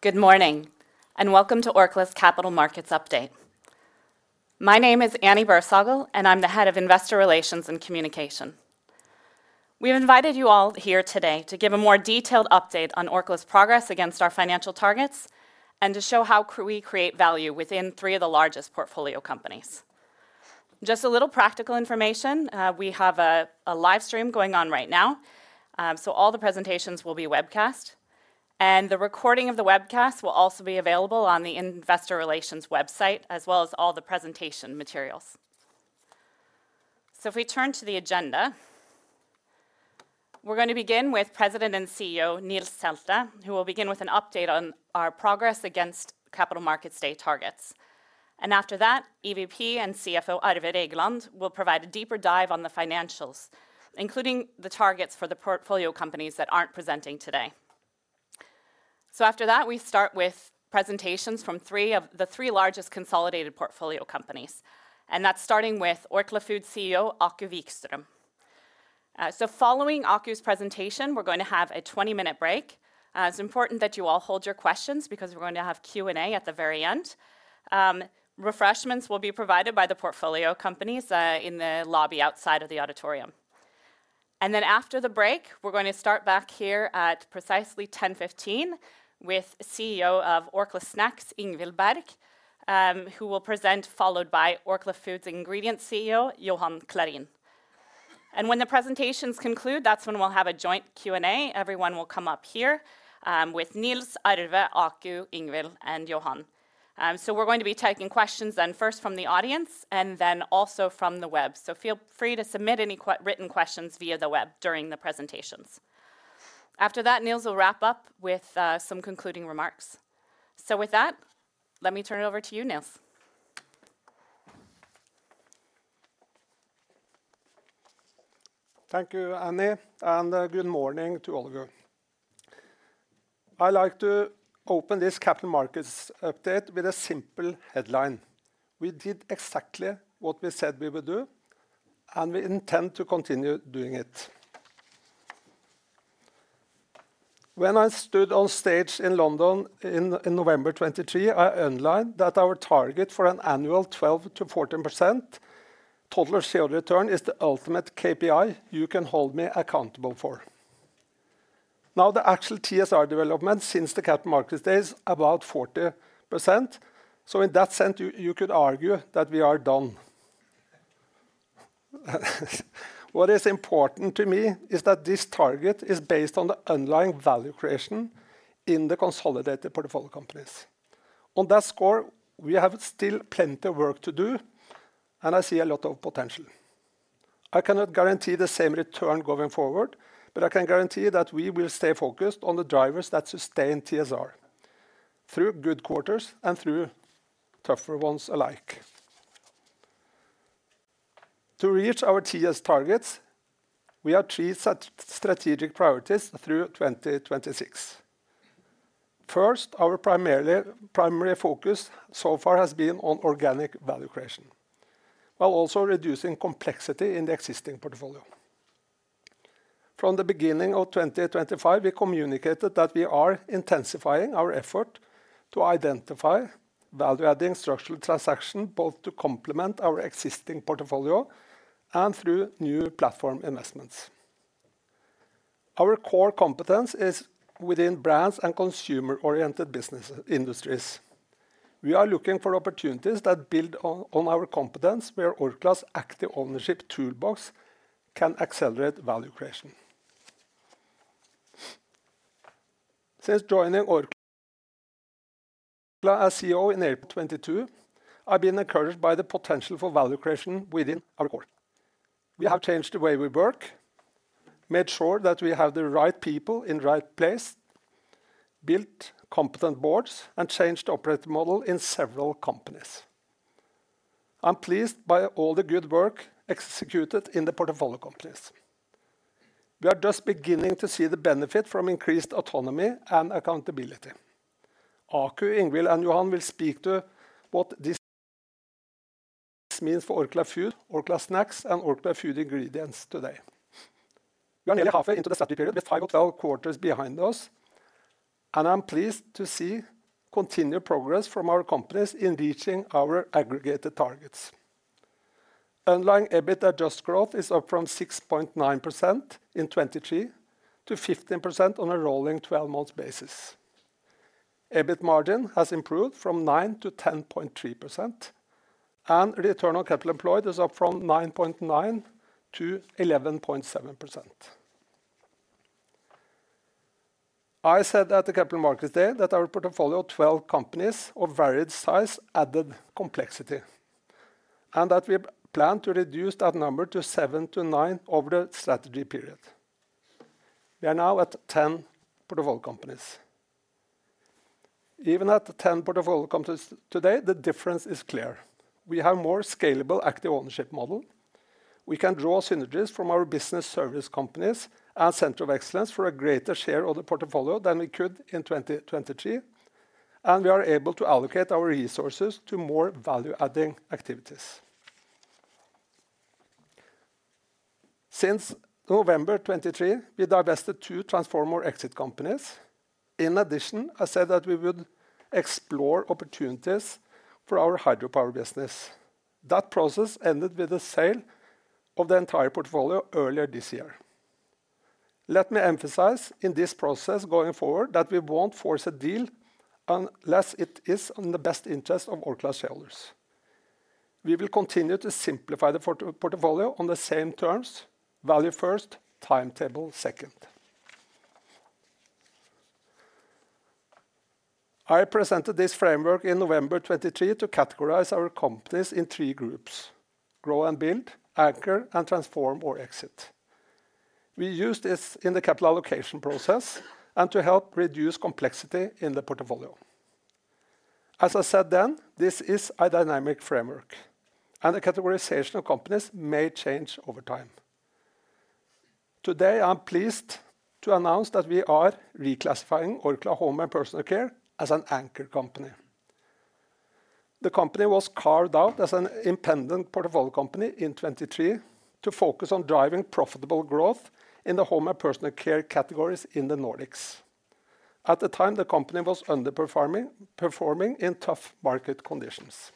Good morning, and welcome to Orkla's Capital Markets Update. My name is Annie Bersagel, and I'm the Head of Investor Relations and Communication. We've invited you all here today to give a more detailed update on Orkla's progress against our financial targets and to show how we create value within three of the largest portfolio companies. Just a little practical information: we have a livestream going on right now, so all the presentations will be webcast, and the recording of the webcast will also be available on the Investor Relations website, as well as all the presentation materials. If we turn to the agenda, we're going to begin with President and CEO Nils Selte, who will begin with an update on our progress against Capital Markets Day targets. After that, EVP and CFO Arve Regland will provide a deeper dive on the financials, including the targets for the portfolio companies that are not presenting today. After that, we start with presentations from the three largest consolidated portfolio companies, starting with Orkla Foods CEO Aku Vikström. Following Aku's presentation, we are going to have a 20-minute break. It is important that you all hold your questions because we are going to have Q&A at the very end. Refreshments will be provided by the portfolio companies in the lobby outside of the auditorium. After the break, we are going to start back here at precisely 10:15 A.M. with CEO of Orkla Snacks, Ingvill Berg, who will present, followed by Orkla Food Ingredients CEO, Johan Clarin. When the presentations conclude, that is when we will have a joint Q&A. Everyone will come up here with Nils, Arve, Aku, Ingvill, and Johan. We're going to be taking questions then first from the audience and then also from the web, so feel free to submit any written questions via the web during the presentations. After that, Nils will wrap up with some concluding remarks. With that, let me turn it over to you, Nils. Thank you, Annie, and good morning to all of you. I'd like to open this Capital Markets Update with a simple headline: "We did exactly what we said we would do, and we intend to continue doing it." When I stood on stage in London in November 2023, I outlined that our target for an annual 12%-14% total share return is the ultimate KPI you can hold me accountable for. Now, the actual TSR development since the Capital Markets Day is about 40%, so in that sense, you could argue that we are done. What is important to me is that this target is based on the underlying value creation in the consolidated portfolio companies. On that score, we have still plenty of work to do, and I see a lot of potential. I cannot guarantee the same return going forward, but I can guarantee that we will stay focused on the drivers that sustain TSR through good quarters and through tougher ones alike. To reach our TSR targets, we have three strategic priorities through 2026. First, our primary focus so far has been on organic value creation, while also reducing complexity in the existing portfolio. From the beginning of 2025, we communicated that we are intensifying our effort to identify value-adding structural transactions both to complement our existing portfolio and through new platform investments. Our core competence is within brands and consumer-oriented industries. We are looking for opportunities that build on our competence, where Orkla's active ownership toolbox can accelerate value creation. Since joining Orkla as CEO in 2022, I've been encouraged by the potential for value creation within our core. We have changed the way we work, made sure that we have the right people in the right place, built competent boards, and changed the operating model in several companies. I'm pleased by all the good work executed in the portfolio companies. We are just beginning to see the benefit from increased autonomy and accountability. Aku, Ingvill, and Johan will speak to what this means for Orkla Foods, Orkla Snacks, and Orkla Food Ingredients today. We are nearly halfway into the strategy period with 5 or 12 quarters behind us, and I'm pleased to see continued progress from our companies in reaching our aggregated targets. Underlying EBIT adjusted growth is up from 6.9% in 2023 to 15% on a rolling 12-month basis. EBIT margin has improved from 9% to 10.3%, and the return on capital employed is up from 9.9% to 11.7%. I said at the Capital Markets Day that our portfolio of 12 companies of varied size added complexity, and that we plan to reduce that number to 7-9 over the strategy period. We are now at 10 portfolio companies. Even at 10 portfolio companies today, the difference is clear. We have a more scalable active ownership model. We can draw synergies from our business service companies and center of excellence for a greater share of the portfolio than we could in 2023, and we are able to allocate our resources to more value-adding activities. Since November 2023, we divested two Transformor exit companies. In addition, I said that we would explore opportunities for our hydropower business. That process ended with the sale of the entire portfolio earlier this year. Let me emphasize in this process going forward that we won't force a deal unless it is in the best interest of Orkla shareholders. We will continue to simplify the portfolio on the same terms: value first, timetable second. I presented this framework in November 2023 to categorize our companies in three groups: grow and build, anchor and transform, or exit. We use this in the capital allocation process and to help reduce complexity in the portfolio. As I said then, this is a dynamic framework, and the categorization of companies may change over time. Today, I'm pleased to announce that we are reclassifying Orkla Home & Personal Care as an anchor company. The company was carved out as an independent portfolio company in 2023 to focus on driving profitable growth in the home and personal care categories in the Nordics. At the time, the company was underperforming in tough market conditions.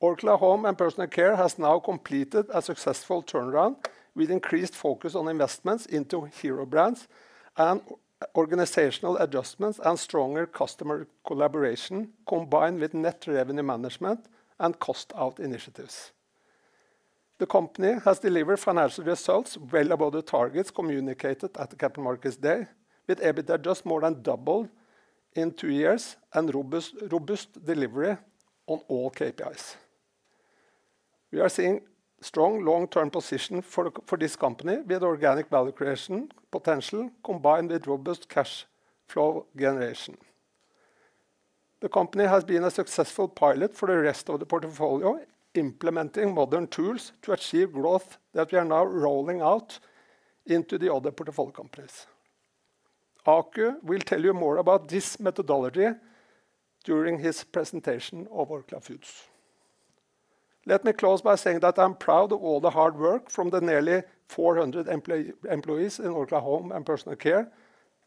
Orkla Home & Personal Care has now completed a successful turnaround with increased focus on investments into hero brands and organizational adjustments and stronger customer collaboration combined with net revenue management and cost-out initiatives. The company has delivered financial results well above the targets communicated at the Capital Markets Day, with EBIT adjusted more than doubled in two years and robust delivery on all KPIs. We are seeing strong long-term position for this company with organic value creation potential combined with robust cash flow generation. The company has been a successful pilot for the rest of the portfolio, implementing modern tools to achieve growth that we are now rolling out into the other portfolio companies. Aku will tell you more about this methodology during his presentation of Orkla Foods. Let me close by saying that I'm proud of all the hard work from the nearly 400 employees in Orkla Home and Personal Care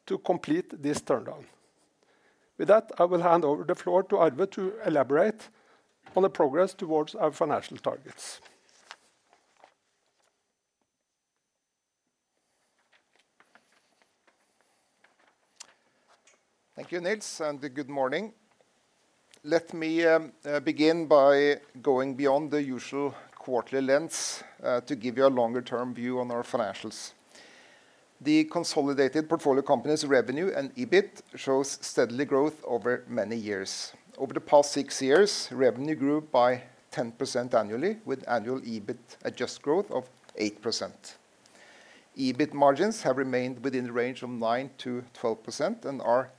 to complete this turnaround. With that, I will hand over the floor to Arve to elaborate on the progress towards our financial targets. Thank you, Nils, and good morning. Let me begin by going beyond the usual quarterly lens to give you a longer-term view on our financials. The consolidated portfolio company's revenue and EBIT shows steady growth over many years. Over the past six years, revenue grew by 10% annually, with annual EBIT adjusted growth of 8%. EBIT margins have remained within the range of 9%-12% and are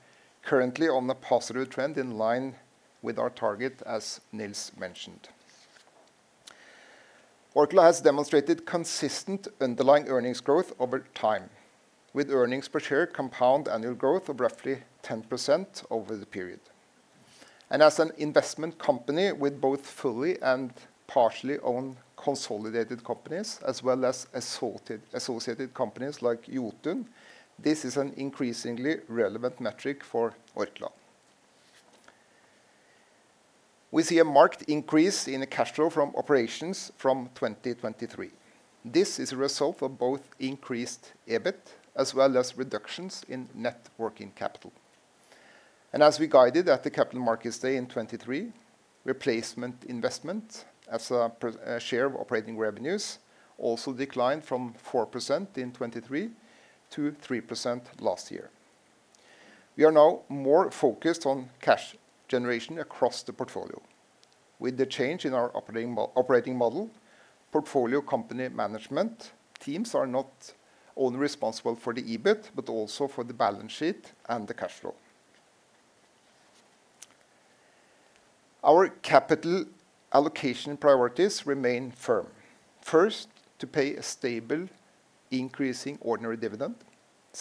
currently on a positive trend in line with our target, as Nils mentioned. Orkla has demonstrated consistent underlying earnings growth over time, with earnings per share compound annual growth of roughly 10% over the period. As an investment company with both fully and partially owned consolidated companies, as well as associated companies like Jotun, this is an increasingly relevant metric for Orkla. We see a marked increase in cash flow from operations from 2023. This is a result of both increased EBIT as well as reductions in net working capital. As we guided at the Capital Markets Day in 2023, replacement investment as a share of operating revenues also declined from 4% in 2023 to 3% last year. We are now more focused on cash generation across the portfolio. With the change in our operating model, portfolio company management teams are not only responsible for the EBIT, but also for the balance sheet and the cash flow. Our capital allocation priorities remain firm. First, to pay a stable, increasing ordinary dividend.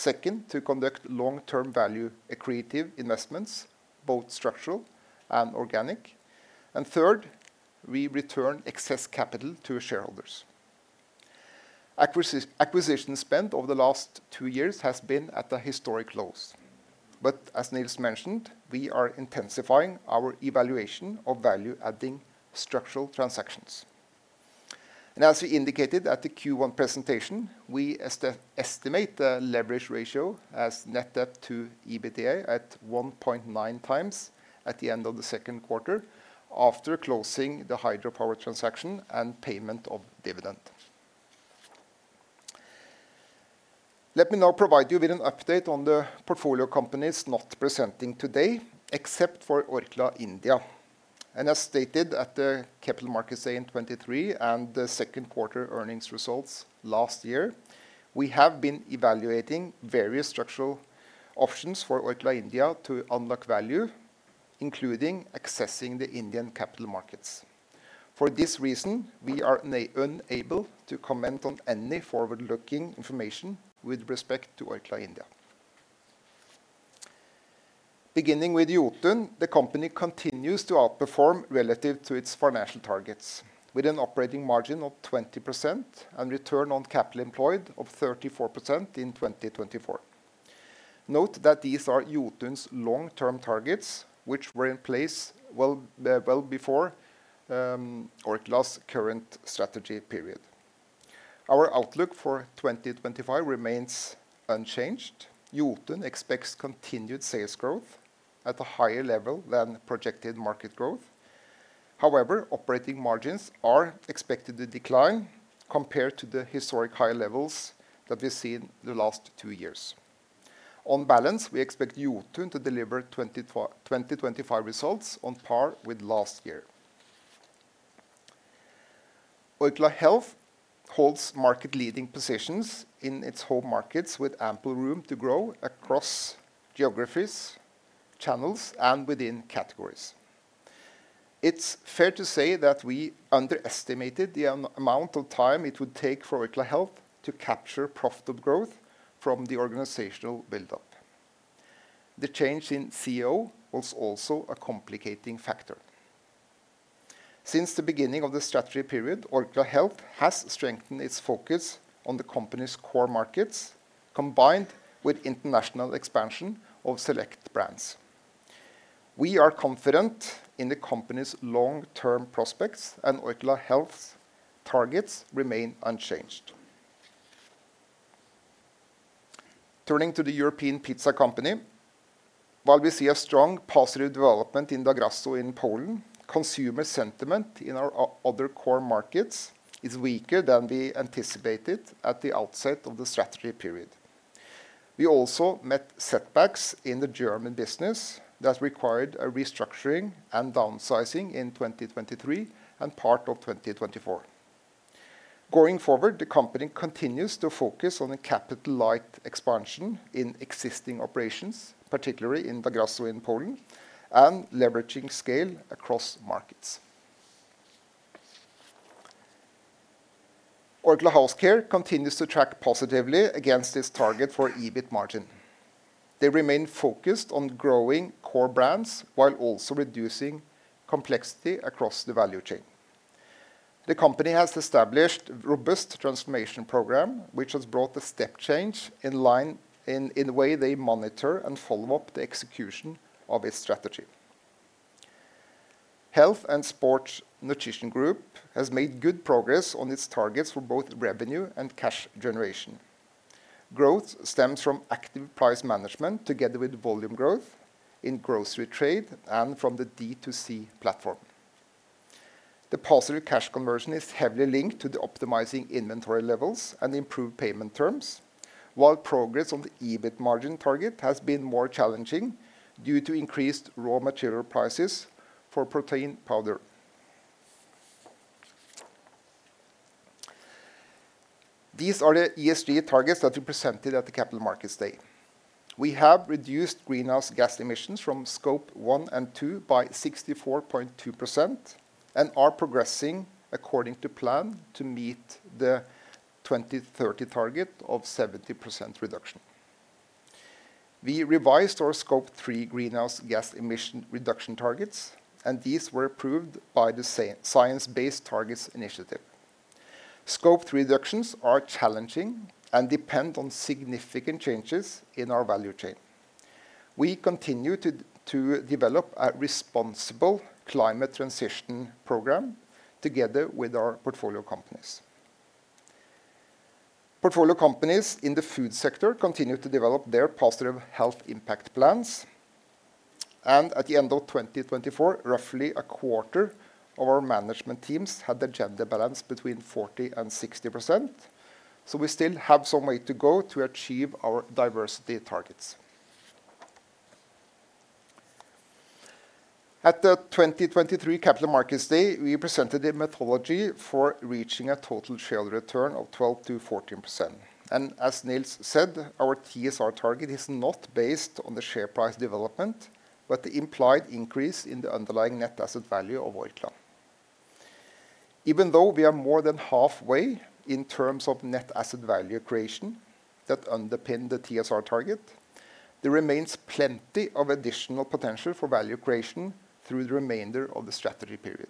Second, to conduct long-term value accretive investments, both structural and organic. Third, we return excess capital to shareholders. Acquisition spend over the last two years has been at historic lows. As Nils mentioned, we are intensifying our evaluation of value-adding structural transactions. As we indicated at the Q1 presentation, we estimate the leverage ratio as net debt to EBITDA at 1.9 times at the end of the second quarter after closing the hydropower transaction and payment of dividend. Let me now provide you with an update on the portfolio companies not presenting today, except for Orkla India. As stated at the Capital Markets Day in 2023 and the second quarter earnings results last year, we have been evaluating various structural options for Orkla India to unlock value, including accessing the Indian capital markets. For this reason, we are unable to comment on any forward-looking information with respect to Orkla India. Beginning with Jotun, the company continues to outperform relative to its financial targets, with an operating margin of 20% and return on capital employed of 34% in 2024. Note that these are Jotun's long-term targets, which were in place well before Orkla's current strategy period. Our outlook for 2025 remains unchanged. Jotun expects continued sales growth at a higher level than projected market growth. However, operating margins are expected to decline compared to the historic high levels that we've seen the last two years. On balance, we expect Jotun to deliver 2025 results on par with last year. Orkla Health holds market-leading positions in its home markets, with ample room to grow across geographies, channels, and within categories. It's fair to say that we underestimated the amount of time it would take for Orkla Health to capture profitable growth from the organizational buildup. The change in CEO was also a complicating factor. Since the beginning of the strategy period, Orkla Health has strengthened its focus on the company's core markets, combined with international expansion of select brands. We are confident in the company's long-term prospects, and Orkla Health's targets remain unchanged. Turning to the European Pizza Company, while we see a strong positive development in the grassroots in Poland, consumer sentiment in our other core markets is weaker than we anticipated at the outset of the strategy period. We also met setbacks in the German business that required a restructuring and downsizing in 2023 and part of 2024. Going forward, the company continues to focus on a capital-light expansion in existing operations, particularly in the grassroots in Poland, and leveraging scale across markets. Orkla Healthcare continues to track positively against its target for EBIT margin. They remain focused on growing core brands while also reducing complexity across the value chain. The company has established a robust transformation program, which has brought a step change in the way they monitor and follow up the execution of its strategy. Health and Sports Nutrition Group has made good progress on its targets for both revenue and cash generation. Growth stems from active price management together with volume growth in grocery trade and from the D2C platform. The positive cash conversion is heavily linked to optimizing inventory levels and improved payment terms, while progress on the EBIT margin target has been more challenging due to increased raw material prices for protein powder. These are the ESG targets that we presented at the Capital Markets Day. We have reduced greenhouse gas emissions from scope one and two by 64.2% and are progressing according to plan to meet the 2030 target of 70% reduction. We revised our scope three greenhouse gas emission reduction targets, and these were approved by the Science-Based Targets Initiative. Scope three reductions are challenging and depend on significant changes in our value chain. We continue to develop a responsible climate transition program together with our portfolio companies. Portfolio companies in the food sector continue to develop their positive health impact plans. At the end of 2024, roughly a quarter of our management teams had the agenda balance between 40% and 60%. We still have some way to go to achieve our diversity targets. At the 2023 Capital Markets Day, we presented a methodology for reaching a total shareholder return of 12%-14%. As Nils said, our TSR target is not based on the share price development, but the implied increase in the underlying net asset value of Orkla. Even though we are more than halfway in terms of net asset value creation that underpins the TSR target, there remains plenty of additional potential for value creation through the remainder of the strategy period.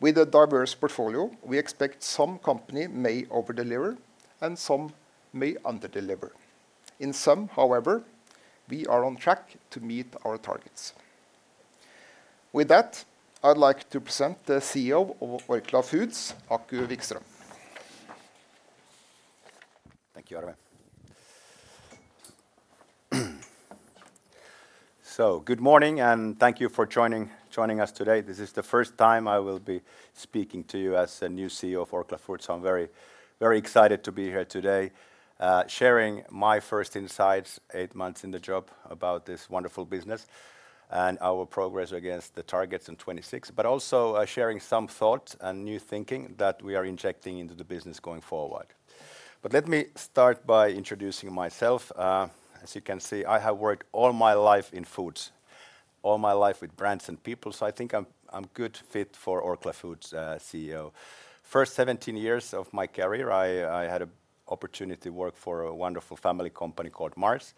With a diverse portfolio, we expect some companies may overdeliver and some may underdeliver. In some, however, we are on track to meet our targets. With that, I'd like to present the CEO of Orkla Foods, Aku Vikström. Thank you, Arve. Good morning, and thank you for joining us today. This is the first time I will be speaking to you as a new CEO of Orkla Foods. I'm very, very excited to be here today, sharing my first insights eight months in the job about this wonderful business and our progress against the targets in 2026, but also sharing some thoughts and new thinking that we are injecting into the business going forward. Let me start by introducing myself. As you can see, I have worked all my life in foods, all my life with brands and people, so I think I'm a good fit for Orkla Foods' CEO. First 17 years of my career, I had an opportunity to work for a wonderful family company called Mars,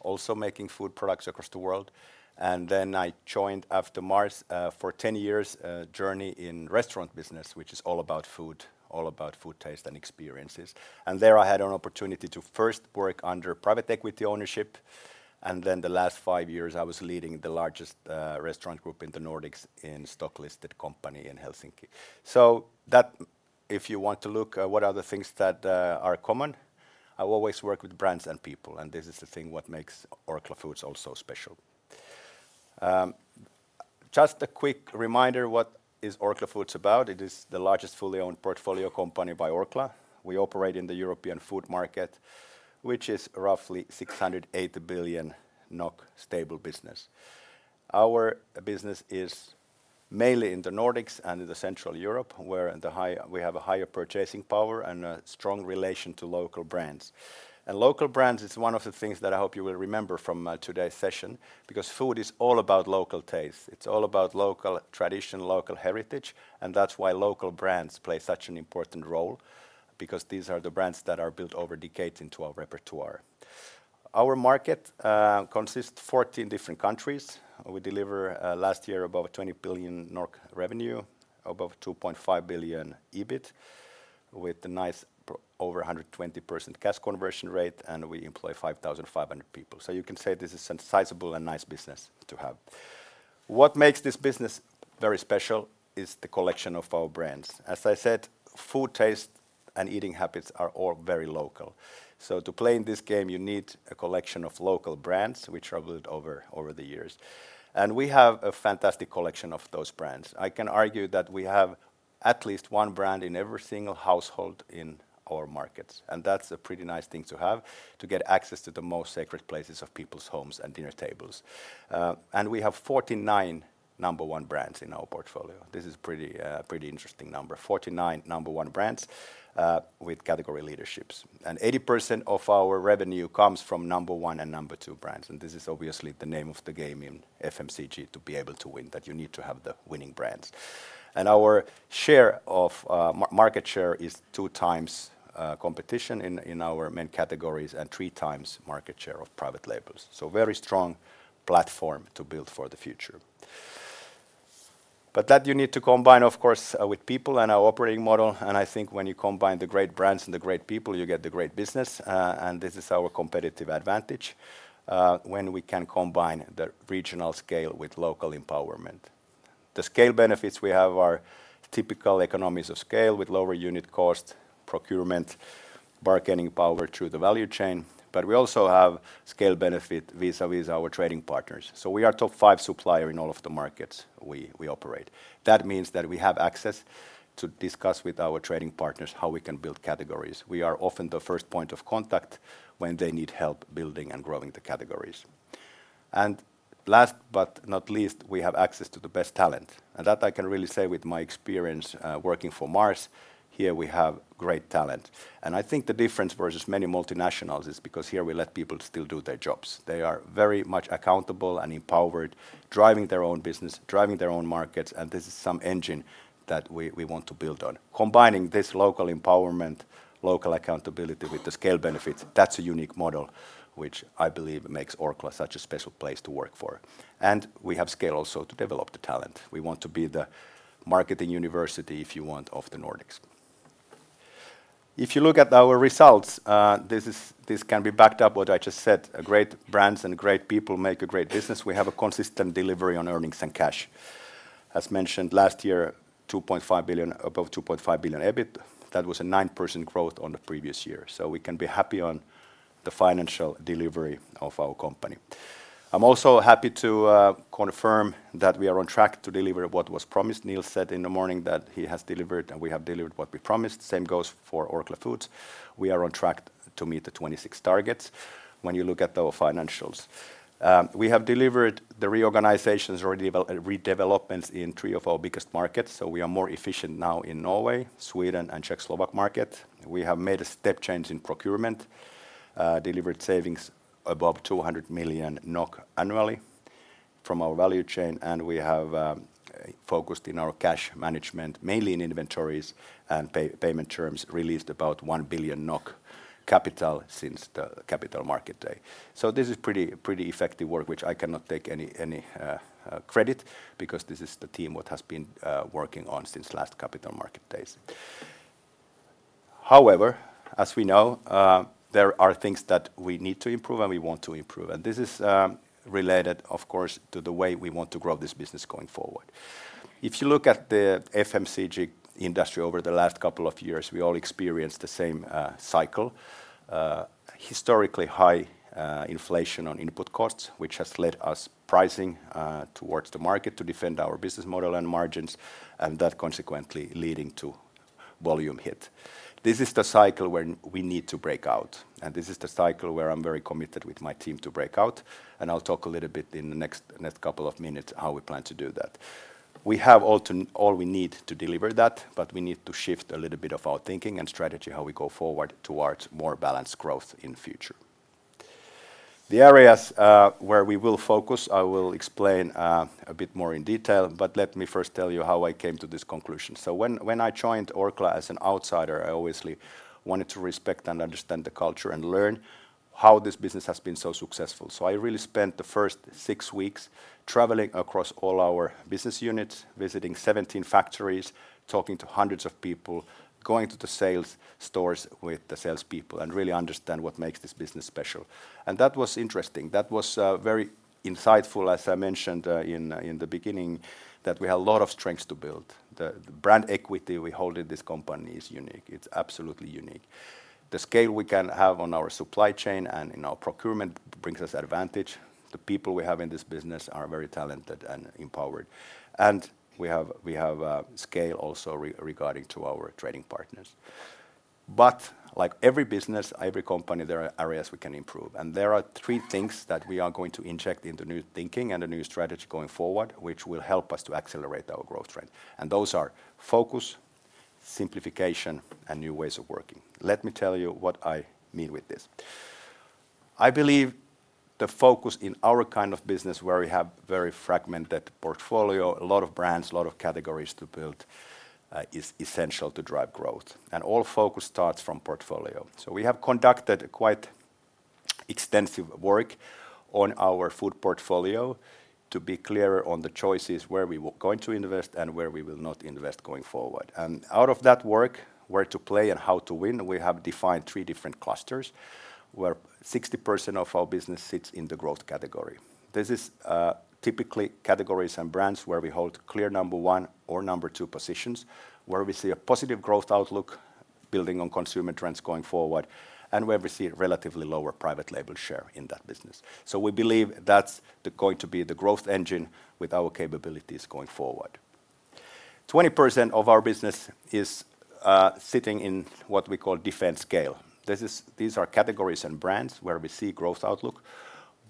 also making food products across the world. I joined after Mars for a 10-year journey in the restaurant business, which is all about food, all about food taste and experiences. There I had an opportunity to first work under private equity ownership, and then the last five years I was leading the largest restaurant group in the Nordics in a stock-listed company in Helsinki. If you want to look at what are the things that are common, I always work with brands and people, and this is the thing that makes Orkla Foods also special. Just a quick reminder of what Orkla Foods is about. It is the largest fully owned portfolio company by Orkla. We operate in the European food market, which is roughly 608 billion NOK stable business. Our business is mainly in the Nordics and in Central Europe, where we have a higher purchasing power and a strong relation to local brands. Local brands is one of the things that I hope you will remember from today's session, because food is all about local taste. It's all about local tradition, local heritage, and that's why local brands play such an important role, because these are the brands that are built over decades into our repertoire. Our market consists of 14 different countries. We delivered last year about 20 billion revenue, about 2.5 billion EBIT, with a nice over 120% cash conversion rate, and we employ 5,500 people. You can say this is a sizable and nice business to have. What makes this business very special is the collection of our brands. As I said, food taste and eating habits are all very local. To play in this game, you need a collection of local brands, which are built over the years. We have a fantastic collection of those brands. I can argue that we have at least one brand in every single household in our markets. That's a pretty nice thing to have, to get access to the most sacred places of people's homes and dinner tables. We have 49 number one brands in our portfolio. This is a pretty interesting number, 49 number one brands with category leaderships. 80% of our revenue comes from number one and number two brands. This is obviously the name of the game in FMCG to be able to win, that you need to have the winning brands. Our share of market share is two times competition in our main categories and three times market share of private labels. A very strong platform to build for the future. That you need to combine, of course, with people and our operating model. I think when you combine the great brands and the great people, you get the great business. This is our competitive advantage when we can combine the regional scale with local empowerment. The scale benefits we have are typical economies of scale with lower unit cost procurement, bargaining power through the value chain. We also have scale benefits vis-à-vis our trading partners. We are a top five supplier in all of the markets we operate. That means that we have access to discuss with our trading partners how we can build categories. We are often the first point of contact when they need help building and growing the categories. Last but not least, we have access to the best talent. I can really say with my experience working for Mars, here we have great talent. I think the difference versus many multinationals is because here we let people still do their jobs. They are very much accountable and empowered, driving their own business, driving their own markets. This is some engine that we want to build on. Combining this local empowerment, local accountability with the scale benefits, that is a unique model, which I believe makes Orkla such a special place to work for. We have scale also to develop the talent. We want to be the marketing university, if you want, of the Nordics. If you look at our results, this can be backed up by what I just said. Great brands and great people make a great business. We have a consistent delivery on earnings and cash. As mentioned last year, 2.5 billion, above 2.5 billion EBIT. That was a 9% growth on the previous year. So we can be happy on the financial delivery of our company. I'm also happy to confirm that we are on track to deliver what was promised. Nils said in the morning that he has delivered and we have delivered what we promised. Same goes for Orkla Foods. We are on track to meet the 2026 targets when you look at our financials. We have delivered the reorganizations or redevelopments in three of our biggest markets. So we are more efficient now in Norway, Sweden, and Czechoslovak markets. We have made a step change in procurement, delivered savings above 200 million NOK annually from our value chain. We have focused in our cash management, mainly in inventories and payment terms, released about 1 billion NOK capital since the capital market day. This is pretty effective work, which I cannot take any credit for because this is the team that has been working on it since last capital market days. However, as we know, there are things that we need to improve and we want to improve. This is related, of course, to the way we want to grow this business going forward. If you look at the FMCG industry over the last couple of years, we all experienced the same cycle. Historically high inflation on input costs, which has led us pricing towards the market to defend our business model and margins, and that consequently leading to volume hit. This is the cycle where we need to break out. This is the cycle where I'm very committed with my team to break out. I'll talk a little bit in the next couple of minutes how we plan to do that. We have all we need to deliver that, but we need to shift a little bit of our thinking and strategy how we go forward towards more balanced growth in the future. The areas where we will focus, I will explain a bit more in detail, but let me first tell you how I came to this conclusion. When I joined Orkla as an outsider, I obviously wanted to respect and understand the culture and learn how this business has been so successful. I really spent the first six weeks traveling across all our business units, visiting 17 factories, talking to hundreds of people, going to the sales stores with the salespeople and really understand what makes this business special. That was interesting. That was very insightful, as I mentioned in the beginning, that we have a lot of strengths to build. The brand equity we hold in this company is unique. It's absolutely unique. The scale we can have on our supply chain and in our procurement brings us advantage. The people we have in this business are very talented and empowered. We have scale also regarding to our trading partners. Like every business, every company, there are areas we can improve. There are three things that we are going to inject into new thinking and a new strategy going forward, which will help us to accelerate our growth trend. Those are focus, simplification, and new ways of working. Let me tell you what I mean with this. I believe the focus in our kind of business, where we have a very fragmented portfolio, a lot of brands, a lot of categories to build, is essential to drive growth. All focus starts from portfolio. We have conducted quite extensive work on our food portfolio to be clearer on the choices where we were going to invest and where we will not invest going forward. Out of that work, where to play and how to win, we have defined three different clusters where 60% of our business sits in the growth category. This is typically categories and brands where we hold clear number one or number two positions, where we see a positive growth outlook building on consumer trends going forward, and where we see relatively lower private label share in that business. We believe that's going to be the growth engine with our capabilities going forward. 20% of our business is sitting in what we call defense scale. These are categories and brands where we see growth outlook,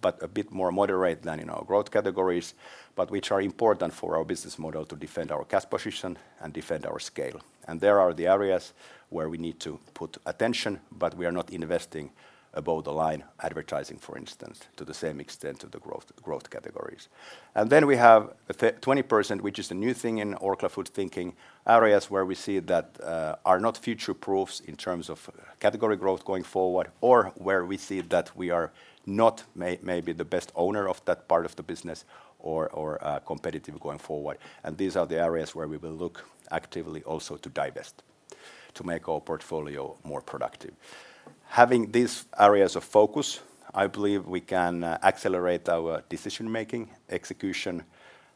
but a bit more moderate than in our growth categories, but which are important for our business model to defend our cash position and defend our scale. There are the areas where we need to put attention, but we are not investing above the line advertising, for instance, to the same extent of the growth categories. Then we have 20%, which is a new thing in Orkla Foods' thinking, areas where we see that are not future-proof in terms of category growth going forward, or where we see that we are not maybe the best owner of that part of the business or competitive going forward. These are the areas where we will look actively also to divest to make our portfolio more productive. Having these areas of focus, I believe we can accelerate our decision-making execution,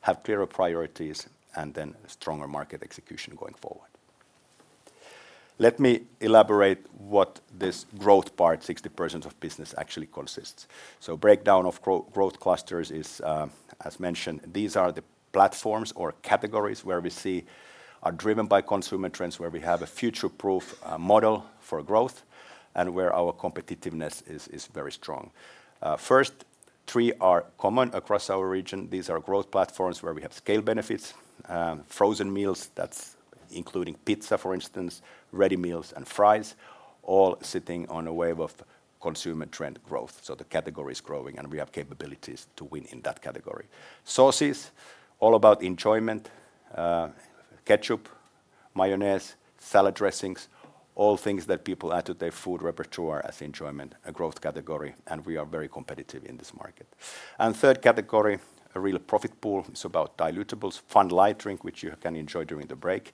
have clearer priorities, and then stronger market execution going forward. Let me elaborate what this growth part, 60% of business, actually consists. Breakdown of growth clusters is, as mentioned, these are the platforms or categories where we see are driven by consumer trends, where we have a future-proof model for growth and where our competitiveness is very strong. First three are common across our region. These are growth platforms where we have scale benefits, frozen meals, that's including pizza, for instance, ready meals and fries, all sitting on a wave of consumer trend growth. The category is growing and we have capabilities to win in that category. Sauces, all about enjoyment, ketchup, mayonnaise, salad dressings, all things that people add to their food repertoire as enjoyment, a growth category, and we are very competitive in this market. The third category, a real profit pool, is about dilutables, fun light drink, which you can enjoy during the break.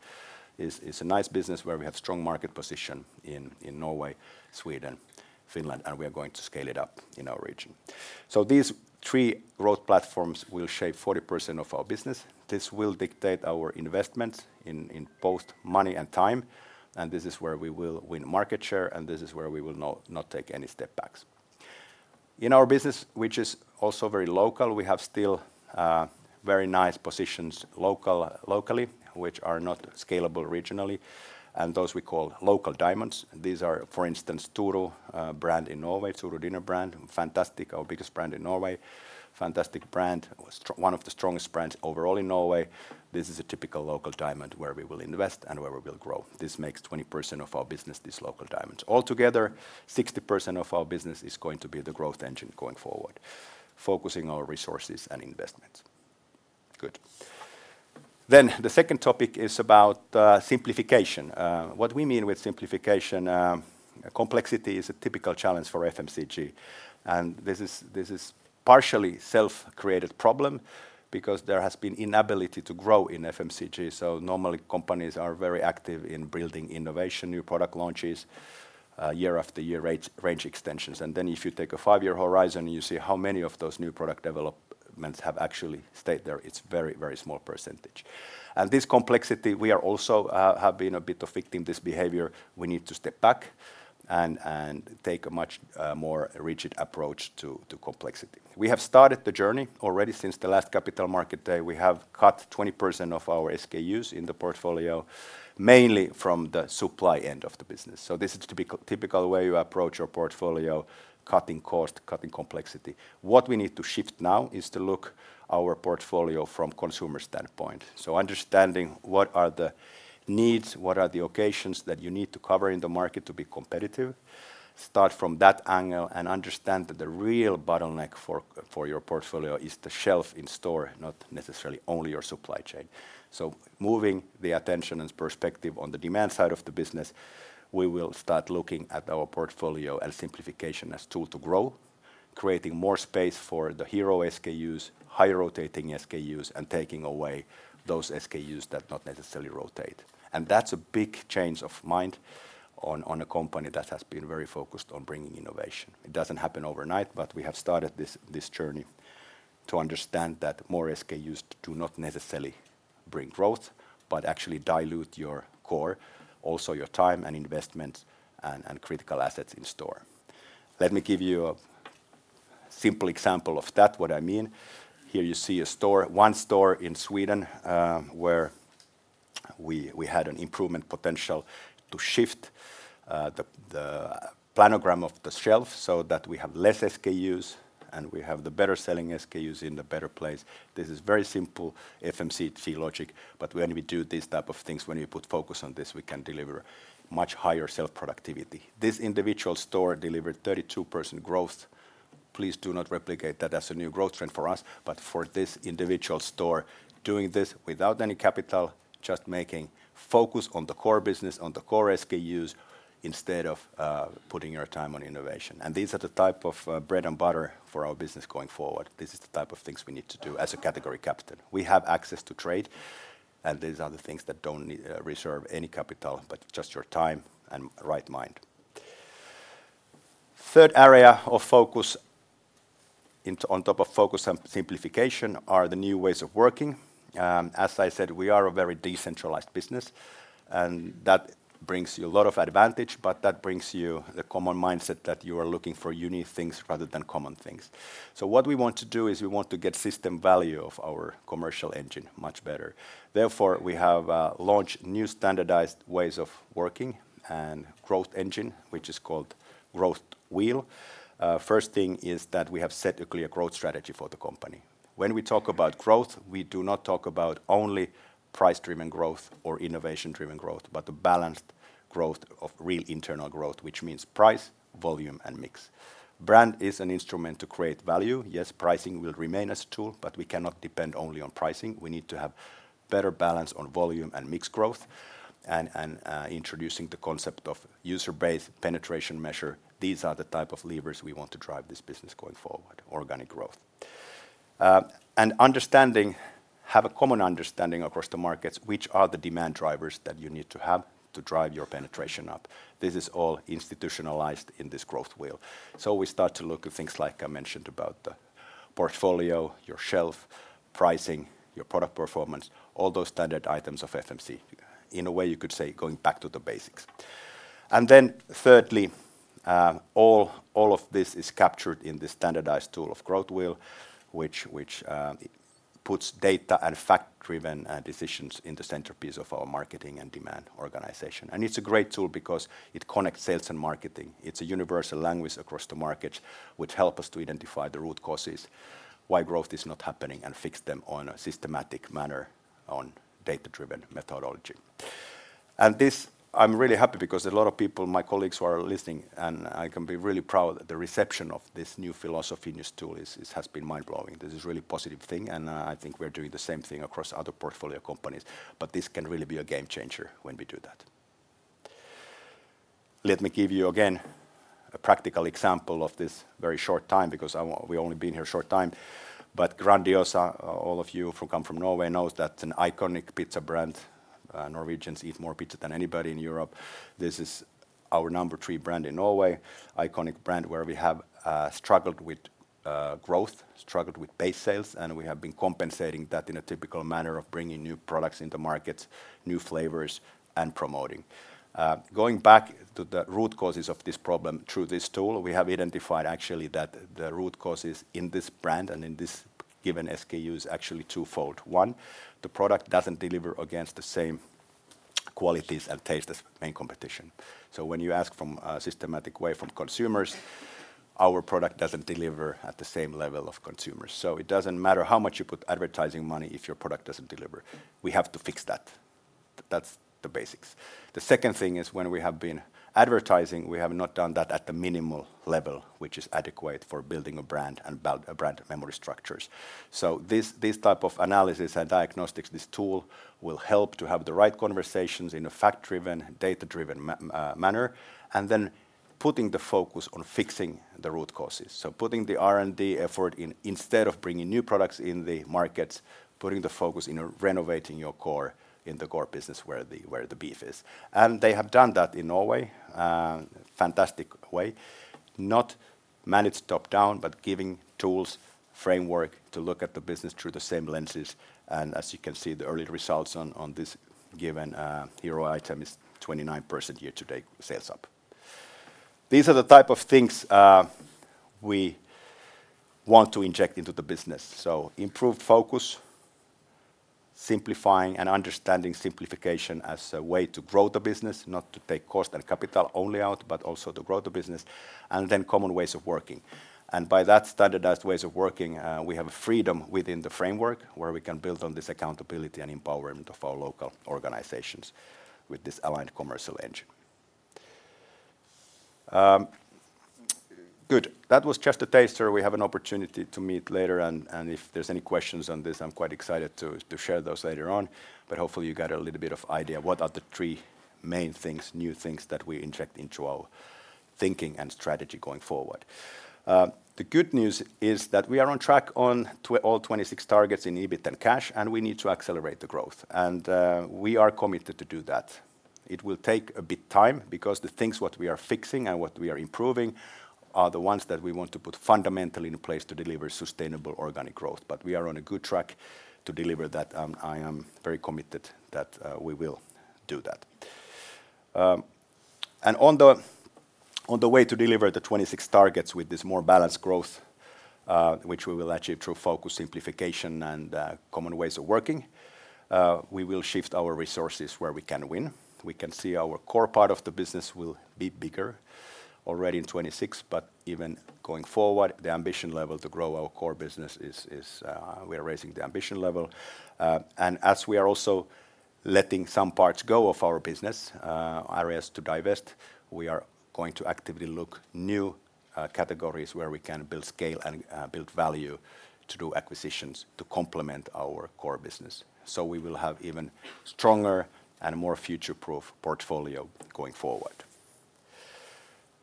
It's a nice business where we have strong market position in Norway, Sweden, Finland, and we are going to scale it up in our region. These three growth platforms will shape 40% of our business. This will dictate our investments in both money and time. This is where we will win market share, and this is where we will not take any step back. In our business, which is also very local, we have still very nice positions locally, which are not scalable regionally. Those we call local diamonds. These are, for instance, TUR brand in Norway, TUR Dinner brand, fantastic, our biggest brand in Norway, fantastic brand, one of the strongest brands overall in Norway. This is a typical local diamond where we will invest and where we will grow. This makes 20% of our business, these local diamonds. Altogether, 60% of our business is going to be the growth engine going forward, focusing our resources and investments. Good. The second topic is about simplification. What we mean with simplification, complexity is a typical challenge for FMCG. This is a partially self-created problem because there has been inability to grow in FMCG. Normally companies are very active in building innovation, new product launches, year after year range extensions. If you take a five-year horizon, you see how many of those new product developments have actually stayed there. It's a very, very small %. This complexity, we also have been a bit of victim, this behavior. We need to step back and take a much more rigid approach to complexity. We have started the journey already since the last capital market day. We have cut 20% of our SKUs in the portfolio, mainly from the supply end of the business. This is a typical way you approach your portfolio, cutting cost, cutting complexity. What we need to shift now is to look at our portfolio from a consumer standpoint. Understanding what are the needs, what are the occasions that you need to cover in the market to be competitive, start from that angle and understand that the real bottleneck for your portfolio is the shelf in store, not necessarily only your supply chain. Moving the attention and perspective on the demand side of the business, we will start looking at our portfolio and simplification as a tool to grow, creating more space for the hero SKUs, high-rotating SKUs, and taking away those SKUs that not necessarily rotate. That's a big change of mind on a company that has been very focused on bringing innovation. It does not happen overnight, but we have started this journey to understand that more SKUs do not necessarily bring growth, but actually dilute your core, also your time and investments and critical assets in store. Let me give you a simple example of that, what I mean. Here you see a store, one store in Sweden where we had an improvement potential to shift the planogram of the shelf so that we have fewer SKUs and we have the better selling SKUs in the better place. This is very simple FMCG logic, but when we do these types of things, when we put focus on this, we can deliver much higher sales productivity. This individual store delivered 32% growth. Please do not replicate that as a new growth trend for us, but for this individual store doing this without any capital, just making focus on the core business, on the core SKUs instead of putting your time on innovation. These are the type of bread and butter for our business going forward. This is the type of things we need to do as a category captain. We have access to trade, and these are the things that do not reserve any capital, but just your time and right mind. Third area of focus on top of focus and simplification are the new ways of working. As I said, we are a very decentralized business, and that brings you a lot of advantage, but that brings you the common mindset that you are looking for unique things rather than common things. What we want to do is we want to get system value of our commercial engine much better. Therefore, we have launched new standardized ways of working and growth engine, which is called growth wheel. First thing is that we have set a clear growth strategy for the company. When we talk about growth, we do not talk about only price-driven growth or innovation-driven growth, but the balanced growth of real internal growth, which means price, volume, and mix. Brand is an instrument to create value. Yes, pricing will remain as a tool, but we cannot depend only on pricing. We need to have better balance on volume and mix growth and introducing the concept of user-based penetration measure. These are the type of levers we want to drive this business going forward, organic growth. Understanding, have a common understanding across the markets, which are the demand drivers that you need to have to drive your penetration up. This is all institutionalized in this growth wheel. We start to look at things like I mentioned about the portfolio, your shelf, pricing, your product performance, all those standard items of FMCG. In a way, you could say going back to the basics. Thirdly, all of this is captured in the standardized tool of growth wheel, which puts data and fact-driven decisions in the centerpiece of our marketing and demand organization. It is a great tool because it connects sales and marketing. It is a universal language across the markets, which helps us to identify the root causes, why growth is not happening, and fix them in a systematic manner on data-driven methodology. I am really happy because a lot of people, my colleagues who are listening, and I can be really proud of the reception of this new philosophy, new tool, has been mind-blowing. This is a really positive thing, and I think we are doing the same thing across other portfolio companies, but this can really be a game changer when we do that. Let me give you again a practical example of this very short time because we've only been here a short time, but Grandiosa, all of you who come from Norway know that's an iconic pizza brand. Norwegians eat more pizza than anybody in Europe. This is our number three brand in Norway, iconic brand where we have struggled with growth, struggled with base sales, and we have been compensating that in a typical manner of bringing new products into markets, new flavors, and promoting. Going back to the root causes of this problem through this tool, we have identified actually that the root causes in this brand and in this given SKU is actually twofold. One, the product doesn't deliver against the same qualities and taste as main competition. So when you ask from a systematic way from consumers, our product doesn't deliver at the same level of consumers. It does not matter how much you put advertising money if your product does not deliver. We have to fix that. That is the basics. The second thing is when we have been advertising, we have not done that at the minimal level, which is adequate for building a brand and brand memory structures. This type of analysis and diagnostics, this tool will help to have the right conversations in a fact-driven, data-driven manner, and then putting the focus on fixing the root causes. Putting the R&D effort instead of bringing new products in the markets, putting the focus in renovating your core in the core business where the beef is. They have done that in Norway, fantastic way, not managed top-down, but giving tools, framework to look at the business through the same lenses. As you can see, the early results on this given hero item is 29% year-to-date sales up. These are the type of things we want to inject into the business. Improved focus, simplifying and understanding simplification as a way to grow the business, not to take cost and capital only out, but also to grow the business, and then common ways of working. By that, standardized ways of working, we have a freedom within the framework where we can build on this accountability and empowerment of our local organizations with this aligned commercial engine. Good. That was just a taster. We have an opportunity to meet later, and if there's any questions on this, I'm quite excited to share those later on, but hopefully you got a little bit of idea what are the three main things, new things that we inject into our thinking and strategy going forward. The good news is that we are on track on all 26 targets in EBIT and cash, and we need to accelerate the growth. We are committed to do that. It will take a bit of time because the things what we are fixing and what we are improving are the ones that we want to put fundamentally in place to deliver sustainable organic growth, but we are on a good track to deliver that. I am very committed that we will do that. On the way to deliver the 2026 targets with this more balanced growth, which we will achieve through focus, simplification, and common ways of working, we will shift our resources where we can win. We can see our core part of the business will be bigger already in 2026, but even going forward, the ambition level to grow our core business is we are raising the ambition level. As we are also letting some parts go of our business, areas to divest, we are going to actively look at new categories where we can build scale and build value to do acquisitions to complement our core business. We will have even stronger and more future-proof portfolio going forward.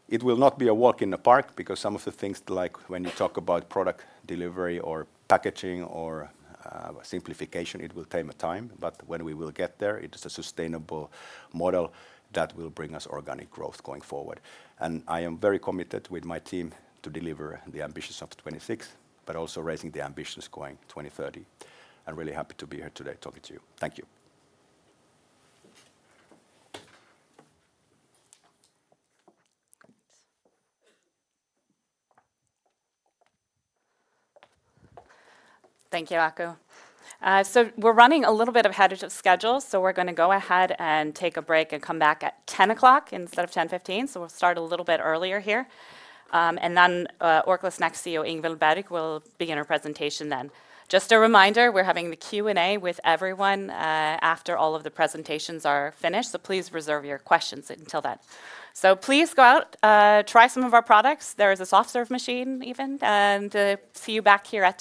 It will not be a walk in the park because some of the things like when you talk about product delivery or packaging or simplification, it will take time, but when we will get there, it is a sustainable model that will bring us organic growth going forward. I am very committed with my team to deliver the ambitions of 2026, but also raising the ambitions going 2030. I'm really happy to be here today talking to you. Thank you. Thank you, Aku. We're running a little bit ahead of schedule, so we're going to go ahead and take a break and come back at 10:00 instead of 10:15. We'll start a little bit earlier here. Orkla Snacks' next CEO, Ingvill Berg, will begin her presentation then. Just a reminder, we're having the Q&A with everyone after all of the presentations are finished, so please reserve your questions until then. Please go out, try some of our products. There is a soft serve machine even, and see you back here at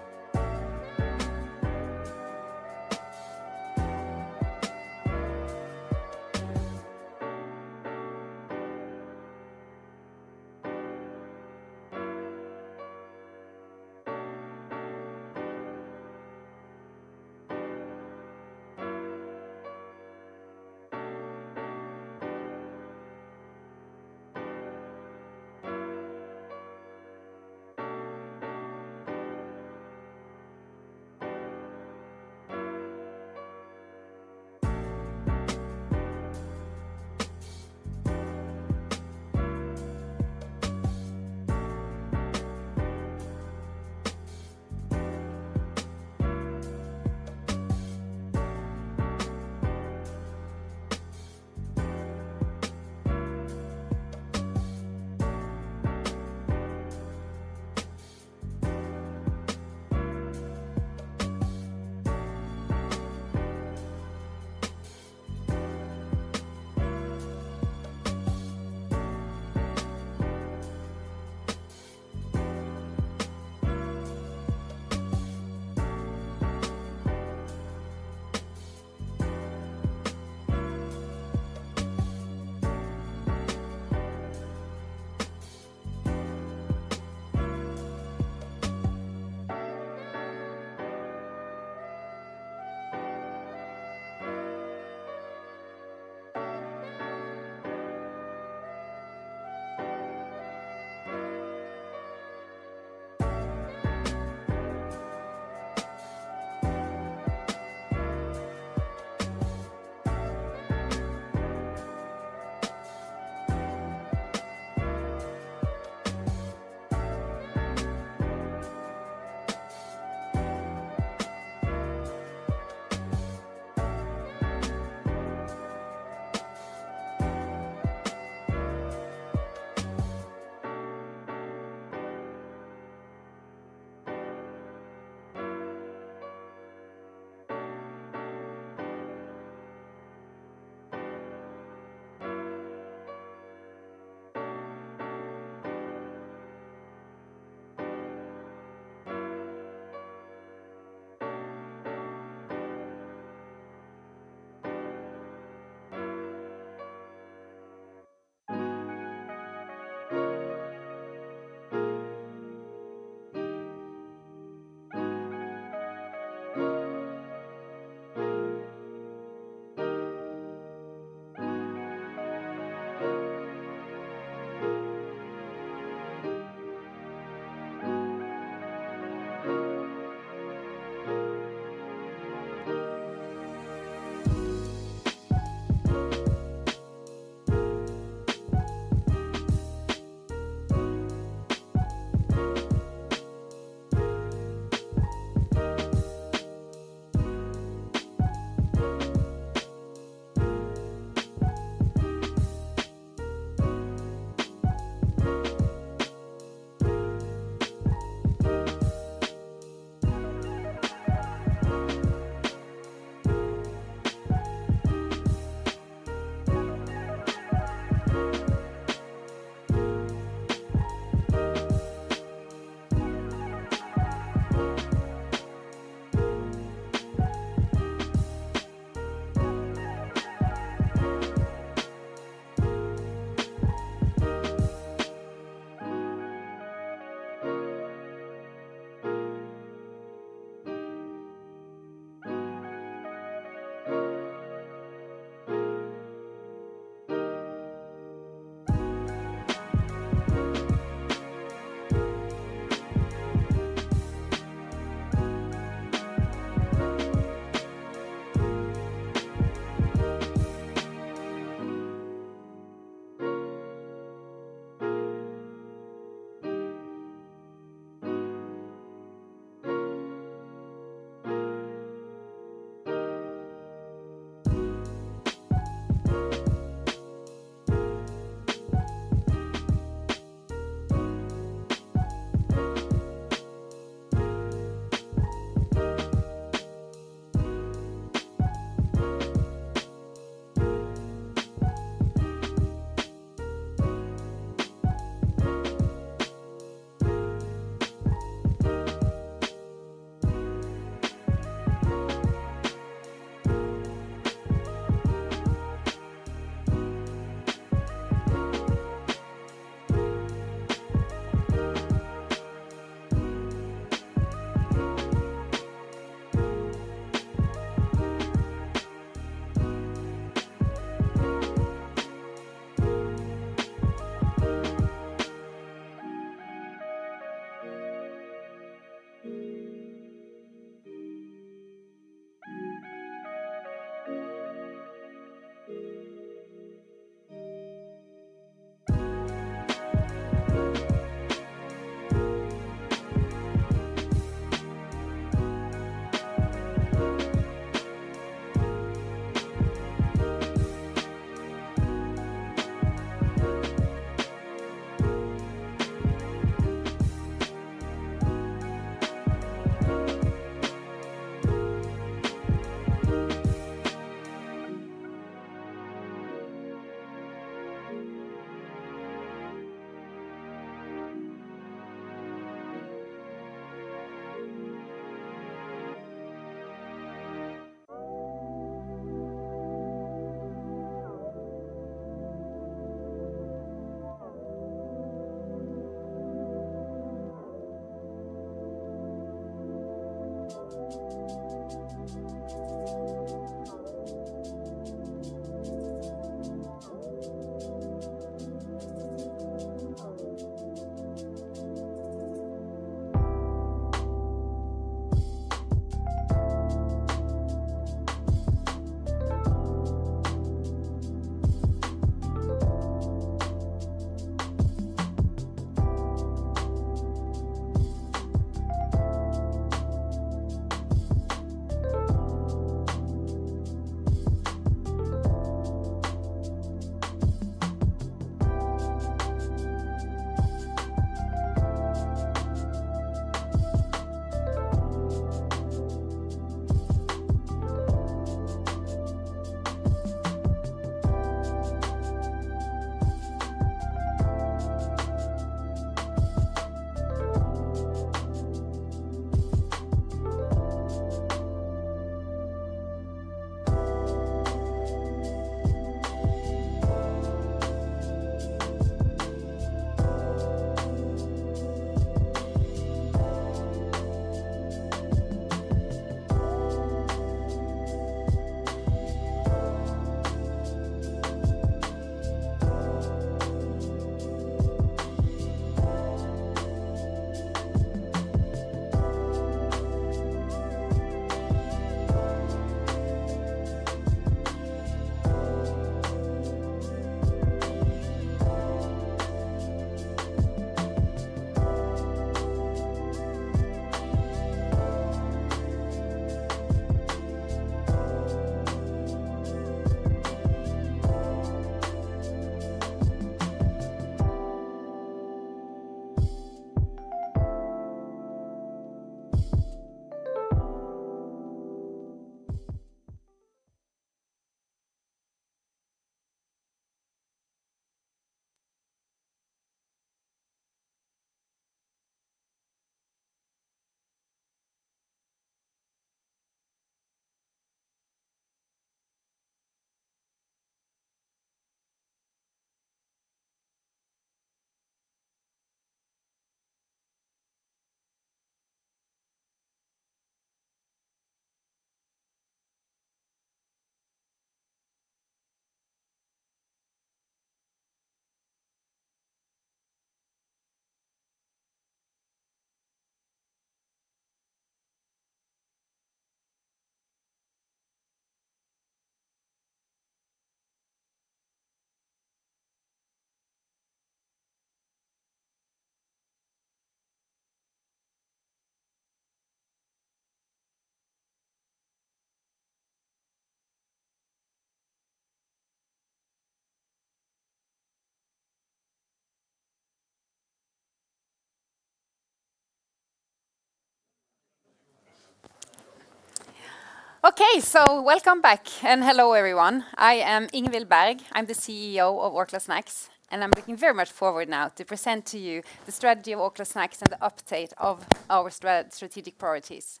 Okay, welcome back and hello everyone. I am Ingvill Berg, I'm the CEO of Orkla Snacks, and I'm looking very much forward now to present to you the strategy of Orkla Snacks and the update of our strategic priorities.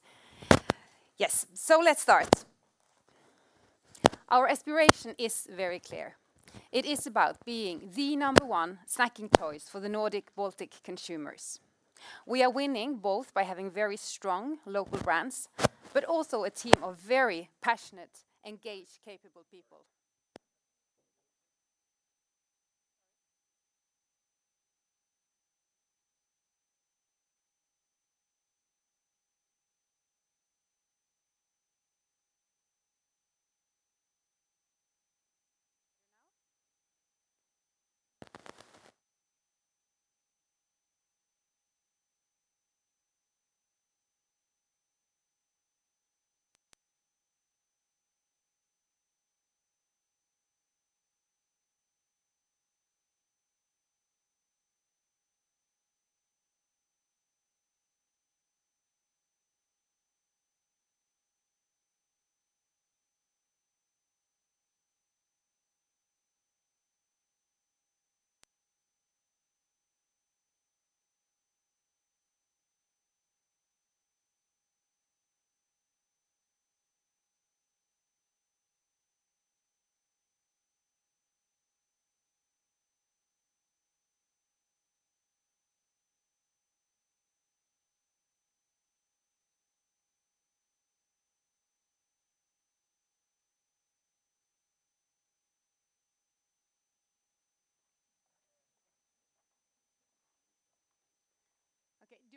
Yes, let's start. Our aspiration is very clear. It is about being the number one snacking choice for the Nordic Baltic consumers. We are winning both by having very strong local brands, but also a team of very passionate, engaged, capable people.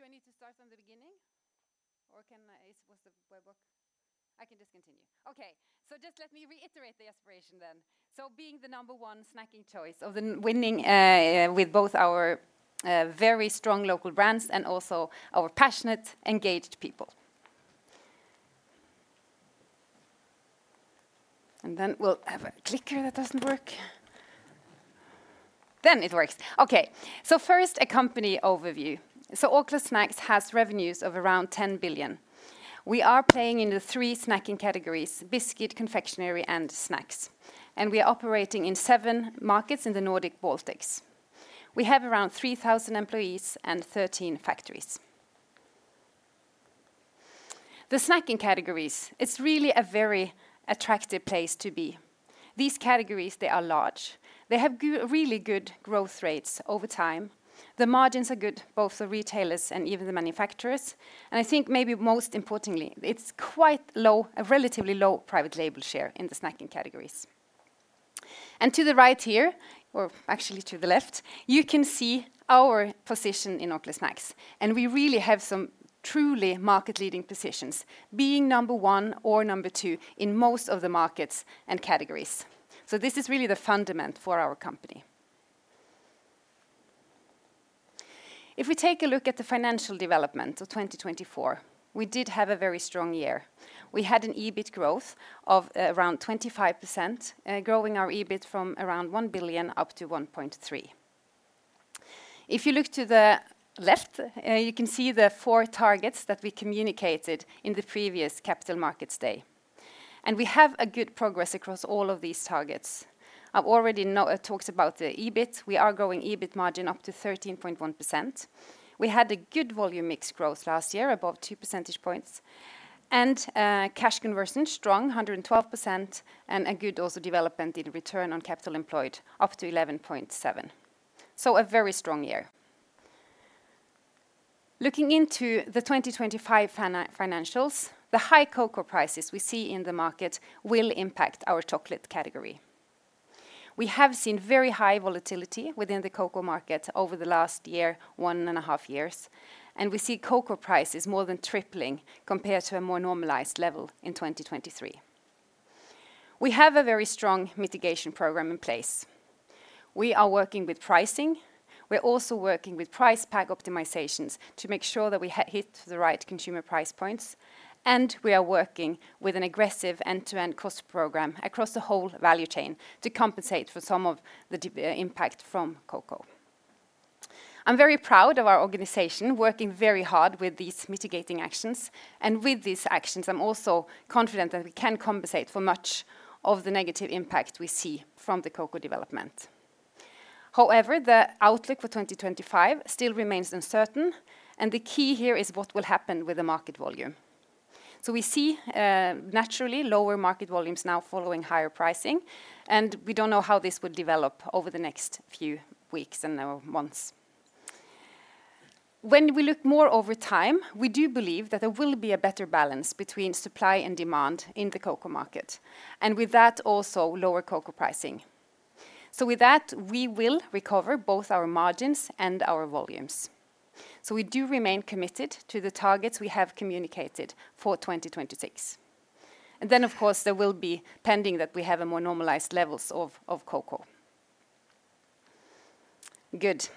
Okay, do I need to start from the beginning? Can I suppose the webhook? I can just continue. Okay, so just let me reiterate the aspiration then. Being the number one snacking choice, winning with both our very strong local brands and also our passionate, engaged people. We'll have a clicker that does not work. Then it works. Okay, first, a company overview. Orkla Snacks has revenues of around 10 billion. We are playing into three snacking categories: biscuit, confectionery, and snacks. We are operating in seven markets in the Nordic Baltics. We have around 3,000 employees and 13 factories. The snacking categories, it's really a very attractive place to be. These categories, they are large. They have really good growth rates over time. The margins are good, both for the retailers and even the manufacturers. I think maybe most importantly, it's quite low, a relatively low private label share in the snacking categories. To the right here, or actually to the left, you can see our position in Orkla Snacks. We really have some truly market-leading positions, being number one or number two in most of the markets and categories. This is really the fundament for our company. If we take a look at the financial development of 2024, we did have a very strong year. We had an EBIT growth of around 25%, growing our EBIT from around 1 billion up to 1.3 billion. If you look to the left, you can see the four targets that we communicated in the previous capital markets day. We have good progress across all of these targets. I've already talked about the EBIT. We are growing EBIT margin up to 13.1%. We had a good volume mix growth last year, above two percentage points. Cash conversion, strong, 112%, and a good also development in return on capital employed, up to 11.7. A very strong year. Looking into the 2025 financials, the high cocoa prices we see in the market will impact our chocolate category. We have seen very high volatility within the cocoa market over the last year, one and a half years. We see cocoa prices more than tripling compared to a more normalized level in 2023. We have a very strong mitigation program in place. We are working with pricing. We're also working with price pack optimizations to make sure that we hit the right consumer price points. We are working with an aggressive end-to-end cost program across the whole value chain to compensate for some of the impact from cocoa. I'm very proud of our organization working very hard with these mitigating actions. With these actions, I'm also confident that we can compensate for much of the negative impact we see from the cocoa development. However, the outlook for 2025 still remains uncertain. The key here is what will happen with the market volume. We see naturally lower market volumes now following higher pricing. We do not know how this will develop over the next few weeks and months. When we look more over time, we do believe that there will be a better balance between supply and demand in the cocoa market. With that, also lower cocoa pricing. With that, we will recover both our margins and our volumes. We do remain committed to the targets we have communicated for 2026. Of course, that will be pending that we have more normalized levels of cocoa. Good.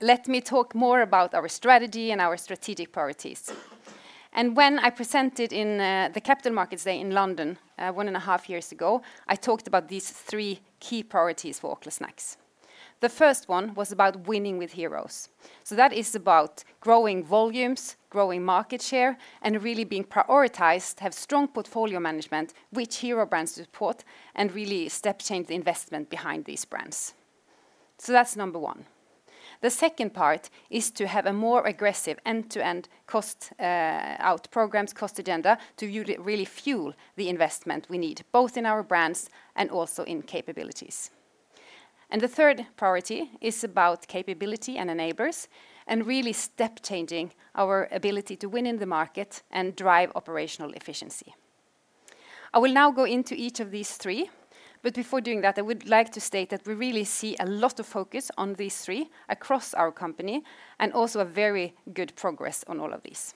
Let me talk more about our strategy and our strategic priorities. When I presented in the Capital Markets Day in London one and a half years ago, I talked about these three key priorities for Orkla Snacks. The first one was about winning with heroes. That is about growing volumes, growing market share, and really being prioritized, having strong portfolio management, which hero brands to support, and really step change the investment behind these brands. That is number one. The second part is to have a more aggressive end-to-end cost out programs, cost agenda to really fuel the investment we need, both in our brands and also in capabilities. The third priority is about capability and enablers, and really step changing our ability to win in the market and drive operational efficiency. I will now go into each of these three. Before doing that, I would like to state that we really see a lot of focus on these three across our company, and also very good progress on all of these.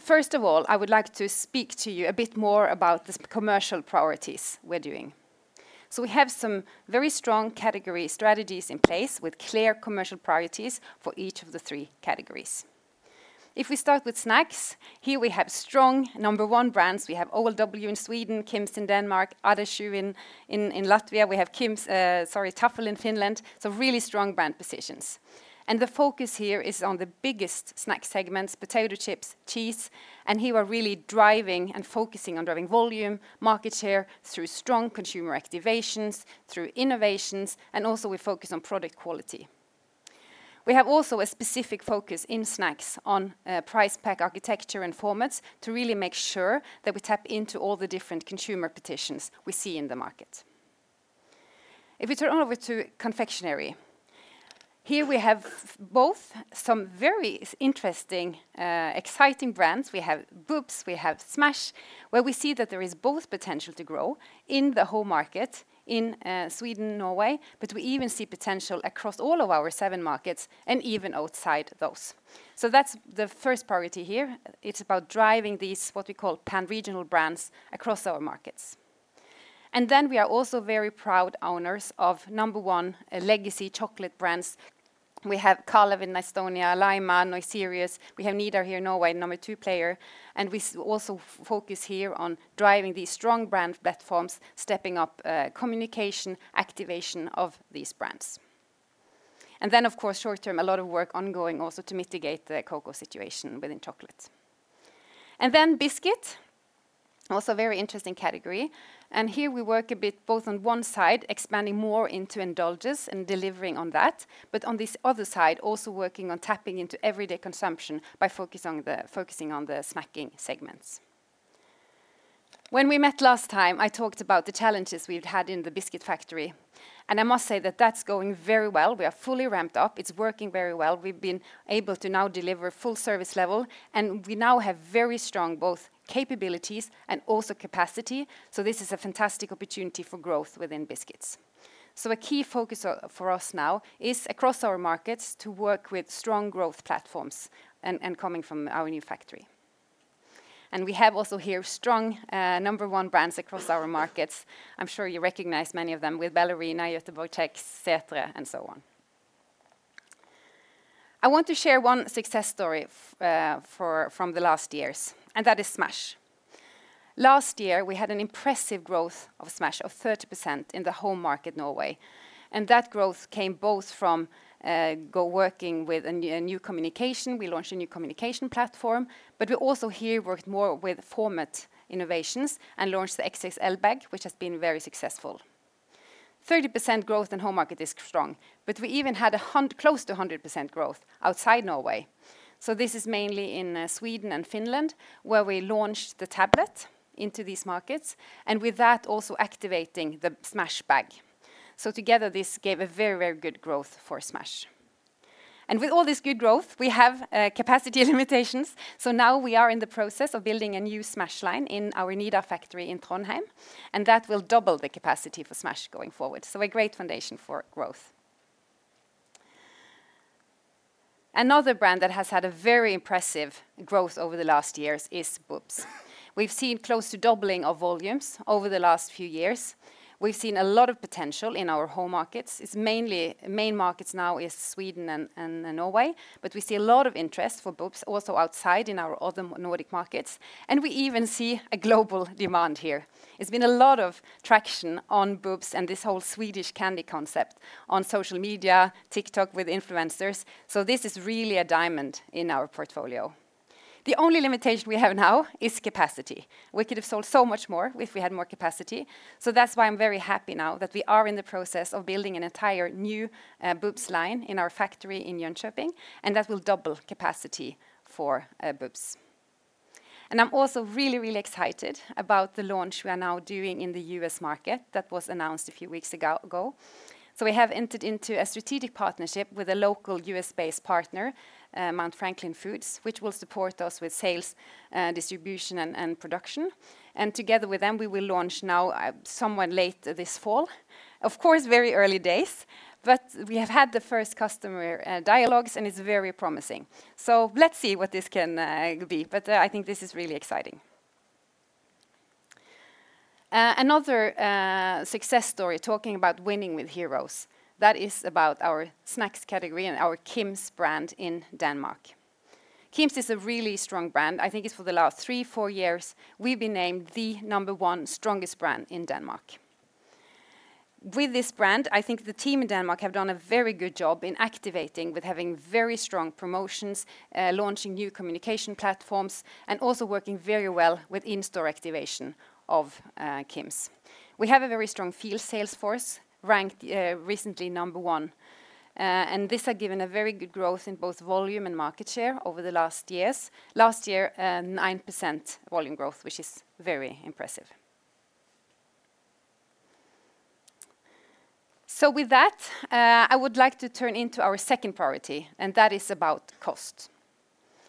First of all, I would like to speak to you a bit more about the commercial priorities we're doing. We have some very strong category strategies in place with clear commercial priorities for each of the three categories. If we start with snacks, here we have strong number one brands. We have OLW in Sweden, KiMS in Denmark, Laima in Latvia. We have Taffel in Finland. Really strong brand positions. The focus here is on the biggest snack segments, potato chips, cheese. Here we're really driving and focusing on driving volume, market share through strong consumer activations, through innovations, and also we focus on product quality. We have also a specific focus in snacks on price pack architecture and formats to really make sure that we tap into all the different consumer petitions we see in the market. If we turn over to confectionery, here we have both some very interesting, exciting brands. We have Boops, we have Smash, where we see that there is both potential to grow in the whole market in Sweden, Norway, but we even see potential across all of our seven markets and even outside those. That's the first priority here. It's about driving these, what we call pan-regional brands across our markets. We are also very proud owners of number one legacy chocolate brands. We have Kalev in Estonia, Laima, Neusirus. We have Nidar here in Norway, number two player. We also focus here on driving these strong brand platforms, stepping up communication, activation of these brands. Of course, short term, a lot of work ongoing also to mitigate the cocoa situation within chocolate. Biscuit is also a very interesting category. Here we work a bit both on one side, expanding more into indulges and delivering on that, but on this other side, also working on tapping into everyday consumption by focusing on the snacking segments. When we met last time, I talked about the challenges we've had in the biscuit factory. I must say that that's going very well. We are fully ramped up. It's working very well. We've been able to now deliver full service level. We now have very strong both capabilities and also capacity. This is a fantastic opportunity for growth within biscuits. A key focus for us now is across our markets to work with strong growth platforms and coming from our new factory. We have also here strong number one brands across our markets. I'm sure you recognize many of them with Ballerina, Jøttebakk, Sætre, and so on. I want to share one success story from the last years, and that is Smash. Last year, we had an impressive growth of Smash of 30% in the whole market, Norway. That growth came both from working with a new communication. We launched a new communication platform, but we also here worked more with format innovations and launched the XXL bag, which has been very successful. 30% growth in the whole market is strong, but we even had close to 100% growth outside Norway. This is mainly in Sweden and Finland, where we launched the tablet into these markets and with that also activating the Smash bag. Together, this gave a very, very good growth for Smash. With all this good growth, we have capacity limitations. We are in the process of building a new Smash line in our Nidar factory in Trondheim, and that will double the capacity for Smash going forward. A great foundation for growth. Another brand that has had a very impressive growth over the last years is Boops. We've seen close to doubling of volumes over the last few years. We've seen a lot of potential in our whole markets. Main markets now are Sweden and Norway, but we see a lot of interest for Boops also outside in our other Nordic markets. We even see a global demand here. There's been a lot of traction on Boops and this whole Swedish candy concept on social media, TikTok with influencers. This is really a diamond in our portfolio. The only limitation we have now is capacity. We could have sold so much more if we had more capacity. That is why I am very happy now that we are in the process of building an entire new Boops line in our factory in Jönköping, and that will double capacity for Boops. I am also really, really excited about the launch we are now doing in the U.S. market that was announced a few weeks ago. We have entered into a strategic partnership with a local U.S.-based partner, Mount Franklin Foods, which will support us with sales, distribution, and production. Together with them, we will launch now somewhere late this fall. Of course, very early days, but we have had the first customer dialogues, and it is very promising. Let us see what this can be, but I think this is really exciting. Another success story talking about winning with heroes, that is about our snacks category and our KiMS brand in Denmark. KiMS is a really strong brand. I think it's for the last three, four years, we've been named the number one strongest brand in Denmark. With this brand, I think the team in Denmark have done a very good job in activating with having very strong promotions, launching new communication platforms, and also working very well with in-store activation of KiMS. We have a very strong field sales force, ranked recently number one. This has given a very good growth in both volume and market share over the last years. Last year, 9% volume growth, which is very impressive. With that, I would like to turn into our second priority, and that is about cost,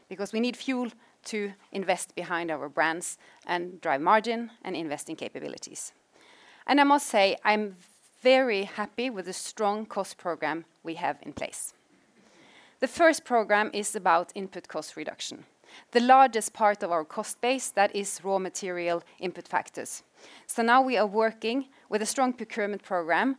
because we need fuel to invest behind our brands and drive margin and invest in capabilities. I must say, I'm very happy with the strong cost program we have in place. The first program is about input cost reduction. The largest part of our cost base, that is raw material input factors. Now we are working with a strong procurement program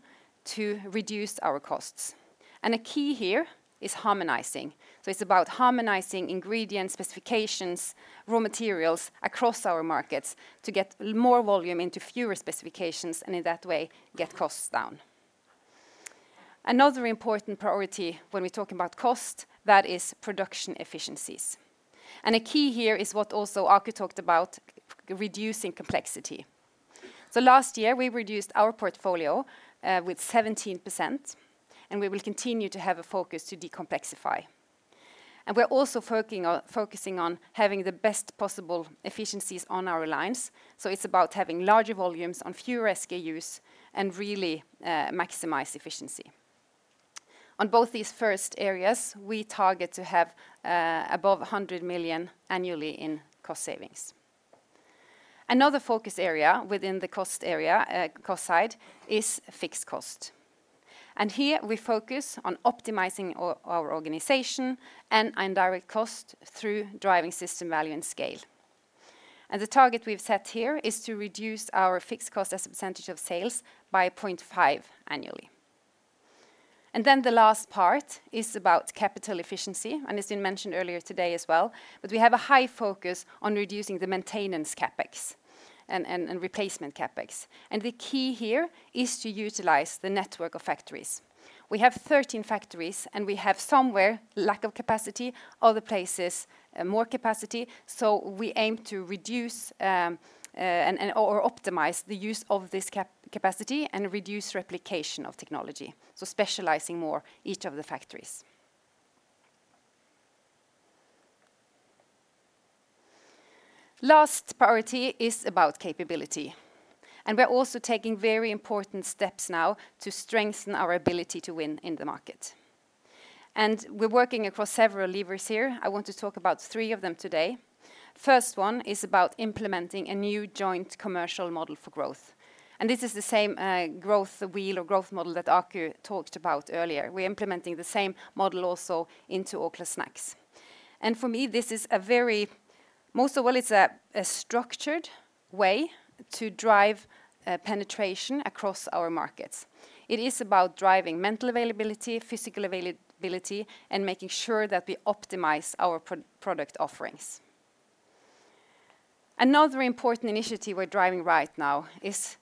to reduce our costs. A key here is harmonizing. It's about harmonizing ingredients, specifications, raw materials across our markets to get more volume into fewer specifications and in that way get costs down. Another important priority when we're talking about cost, that is production efficiencies. A key here is what also Aku talked about, reducing complexity. Last year, we reduced our portfolio by 17%, and we will continue to have a focus to decomplexify. We're also focusing on having the best possible efficiencies on our lines. It's about having larger volumes on fewer SKUs and really maximizing efficiency. On both these first areas, we target to have above 100 million annually in cost savings. Another focus area within the cost side is fixed cost. Here we focus on optimizing our organization and indirect cost through driving system value and scale. The target we've set here is to reduce our fixed cost as a percentage of sales by 0.5% annually. The last part is about capital efficiency, and it's been mentioned earlier today as well, but we have a high focus on reducing the maintenance CapEx and replacement CapEx. The key here is to utilize the network of factories. We have 13 factories, and we have somewhere lack of capacity, other places more capacity. We aim to reduce or optimize the use of this capacity and reduce replication of technology. Specializing more each of the factories. Last priority is about capability. We are also taking very important steps now to strengthen our ability to win in the market. We are working across several levers here. I want to talk about three of them today. First one is about implementing a new joint commercial model for growth. This is the same growth wheel or growth model that Aku talked about earlier. We are implementing the same model also into Orkla Snacks. For me, this is a very most of all, it is a structured way to drive penetration across our markets. It is about driving mental availability, physical availability, and making sure that we optimize our product offerings. Another important initiative we're driving right now is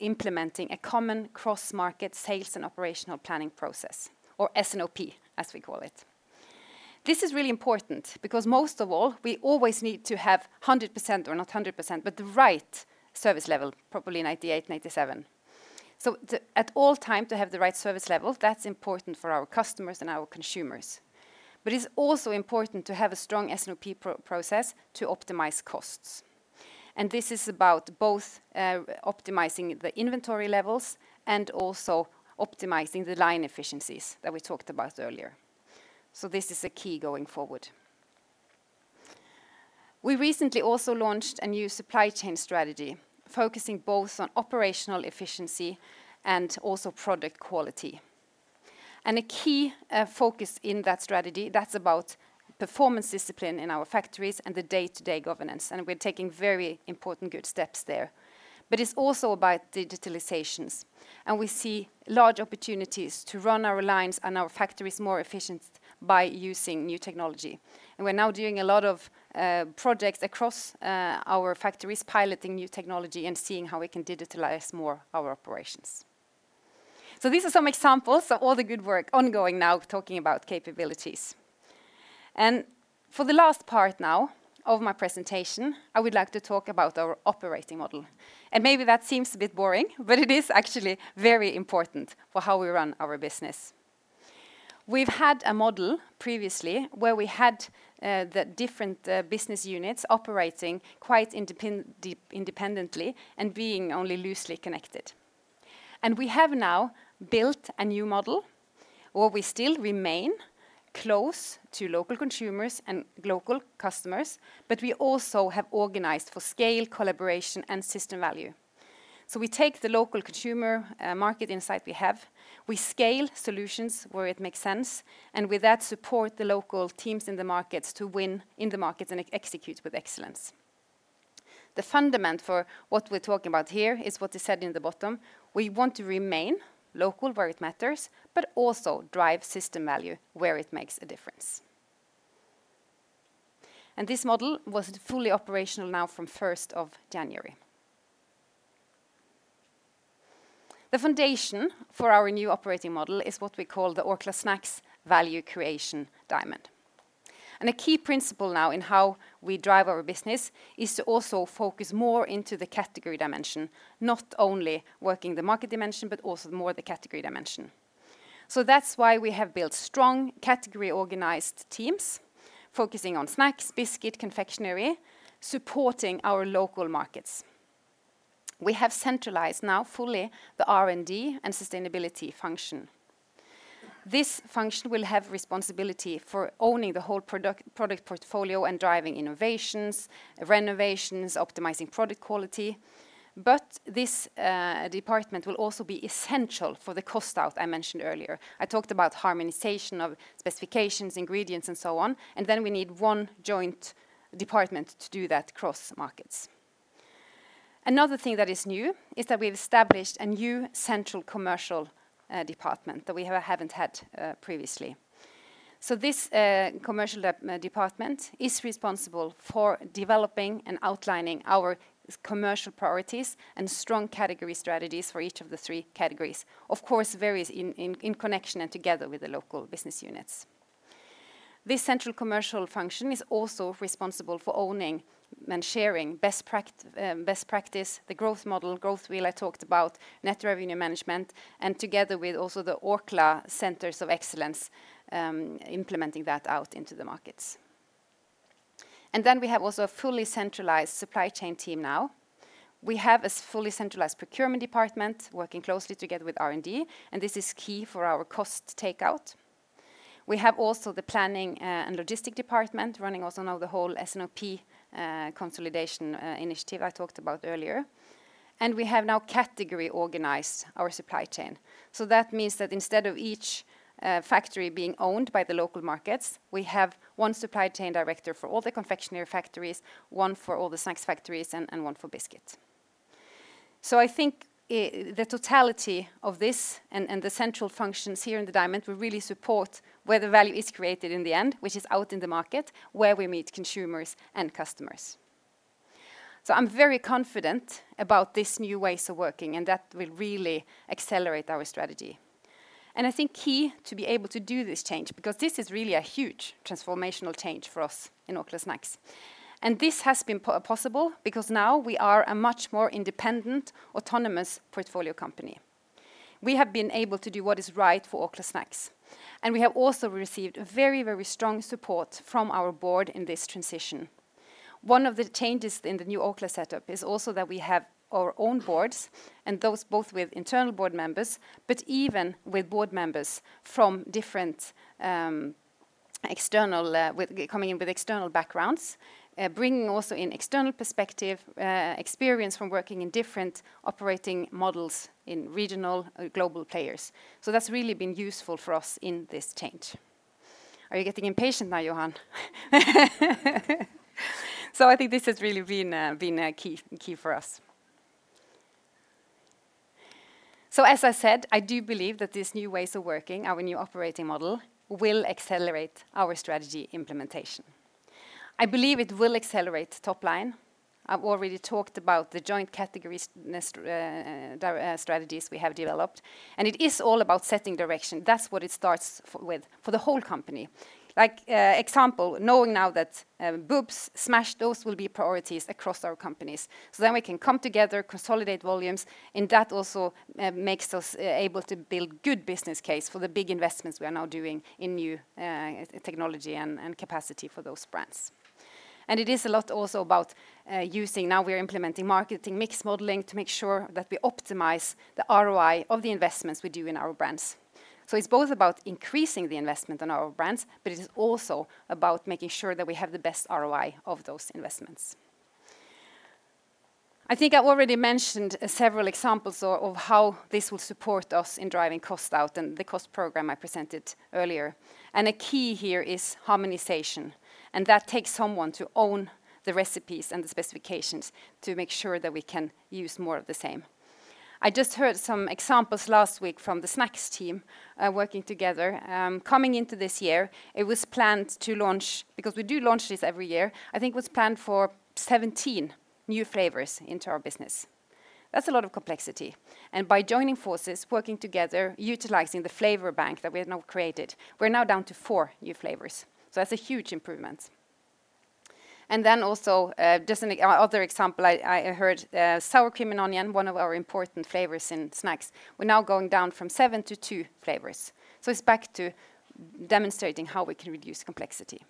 implementing a common cross-market sales and operational planning process, or S&OP, as we call it. This is really important because most of all, we always need to have 100% or not 100%, but the right service level, probably in 98% and 97%. At all times to have the right service level, that's important for our customers and our consumers. It is also important to have a strong S&OP process to optimize costs. This is about both optimizing the inventory levels and also optimizing the line efficiencies that we talked about earlier. This is a key going forward. We recently also launched a new supply chain strategy focusing both on operational efficiency and also product quality. A key focus in that strategy, that's about performance discipline in our factories and the day-to-day governance. We're taking very important good steps there. It is also about digitalizations. We see large opportunities to run our lines and our factories more efficient by using new technology. We are now doing a lot of projects across our factories piloting new technology and seeing how we can digitalize more our operations. These are some examples of all the good work ongoing now talking about capabilities. For the last part now of my presentation, I would like to talk about our operating model. Maybe that seems a bit boring, but it is actually very important for how we run our business. We've had a model previously where we had the different business units operating quite independently and being only loosely connected. We have now built a new model where we still remain close to local consumers and local customers, but we also have organized for scale, collaboration, and system value. We take the local consumer market insight we have, we scale solutions where it makes sense, and with that support the local teams in the markets to win in the markets and execute with excellence. The fundament for what we are talking about here is what is said in the bottom. We want to remain local where it matters, but also drive system value where it makes a difference. This model was fully operational now from 1st of January. The foundation for our new operating model is what we call the Orkla Snacks value creation diamond. A key principle now in how we drive our business is to also focus more into the category dimension, not only working the market dimension, but also more the category dimension. That is why we have built strong category-organized teams focusing on snacks, biscuit, confectionery, supporting our local markets. We have centralized now fully the R&D and sustainability function. This function will have responsibility for owning the whole product portfolio and driving innovations, renovations, optimizing product quality. This department will also be essential for the cost out I mentioned earlier. I talked about harmonization of specifications, ingredients, and so on. We need one joint department to do that across markets. Another thing that is new is that we have established a new central commercial department that we have not had previously. This commercial department is responsible for developing and outlining our commercial priorities and strong category strategies for each of the three categories, of course, in connection and together with the local business units. This central commercial function is also responsible for owning and sharing best practice, the growth model, growth wheel I talked about, net revenue management, and together with also the Orkla Centers of Excellence, implementing that out into the markets. We have also a fully centralized supply chain team now. We have a fully centralized procurement department working closely together with R&D, and this is key for our cost takeout. We have also the planning and logistic department running also now the whole S&OP consolidation initiative I talked about earlier. We have now category-organized our supply chain. That means that instead of each factory being owned by the local markets, we have one supply chain director for all the confectionery factories, one for all the snacks factories, and one for biscuit. I think the totality of this and the central functions here in the diamond will really support where the value is created in the end, which is out in the market, where we meet consumers and customers. I am very confident about this new way of working, and that will really accelerate our strategy. I think key to be able to do this change, because this is really a huge transformational change for us in Orkla Snacks. This has been possible because now we are a much more independent, autonomous portfolio company. We have been able to do what is right for Orkla Snacks. We have also received very, very strong support from our board in this transition. One of the changes in the new Orkla setup is also that we have our own boards, and those both with internal board members, but even with board members from external coming in with external backgrounds, bringing also in external perspective, experience from working in different operating models in regional global players. That has really been useful for us in this change. Are you getting impatient now, Johan? I think this has really been key for us. As I said, I do believe that this new way of working, our new operating model, will accelerate our strategy implementation. I believe it will accelerate top line. I have already talked about the joint category strategies we have developed. It is all about setting direction. That is what it starts with for the whole company. Like example, knowing now that Boops, Smash, those will be priorities across our companies. We can come together, consolidate volumes, and that also makes us able to build good business case for the big investments we are now doing in new technology and capacity for those brands. It is a lot also about using now we're implementing marketing mix modeling to make sure that we optimize the ROI of the investments we do in our brands. It is both about increasing the investment in our brands, but it is also about making sure that we have the best ROI of those investments. I think I already mentioned several examples of how this will support us in driving cost out and the cost program I presented earlier. A key here is harmonization. That takes someone to own the recipes and the specifications to make sure that we can use more of the same. I just heard some examples last week from the snacks team working together. Coming into this year, it was planned to launch, because we do launch this every year, I think it was planned for 17 new flavors into our business. That is a lot of complexity. By joining forces, working together, utilizing the flavor bank that we have now created, we are now down to four new flavors. That is a huge improvement. Also, just another example, I heard sour cream and onion, one of our important flavors in snacks. We are now going down from seven to two flavors. It is back to demonstrating how we can reduce complexity.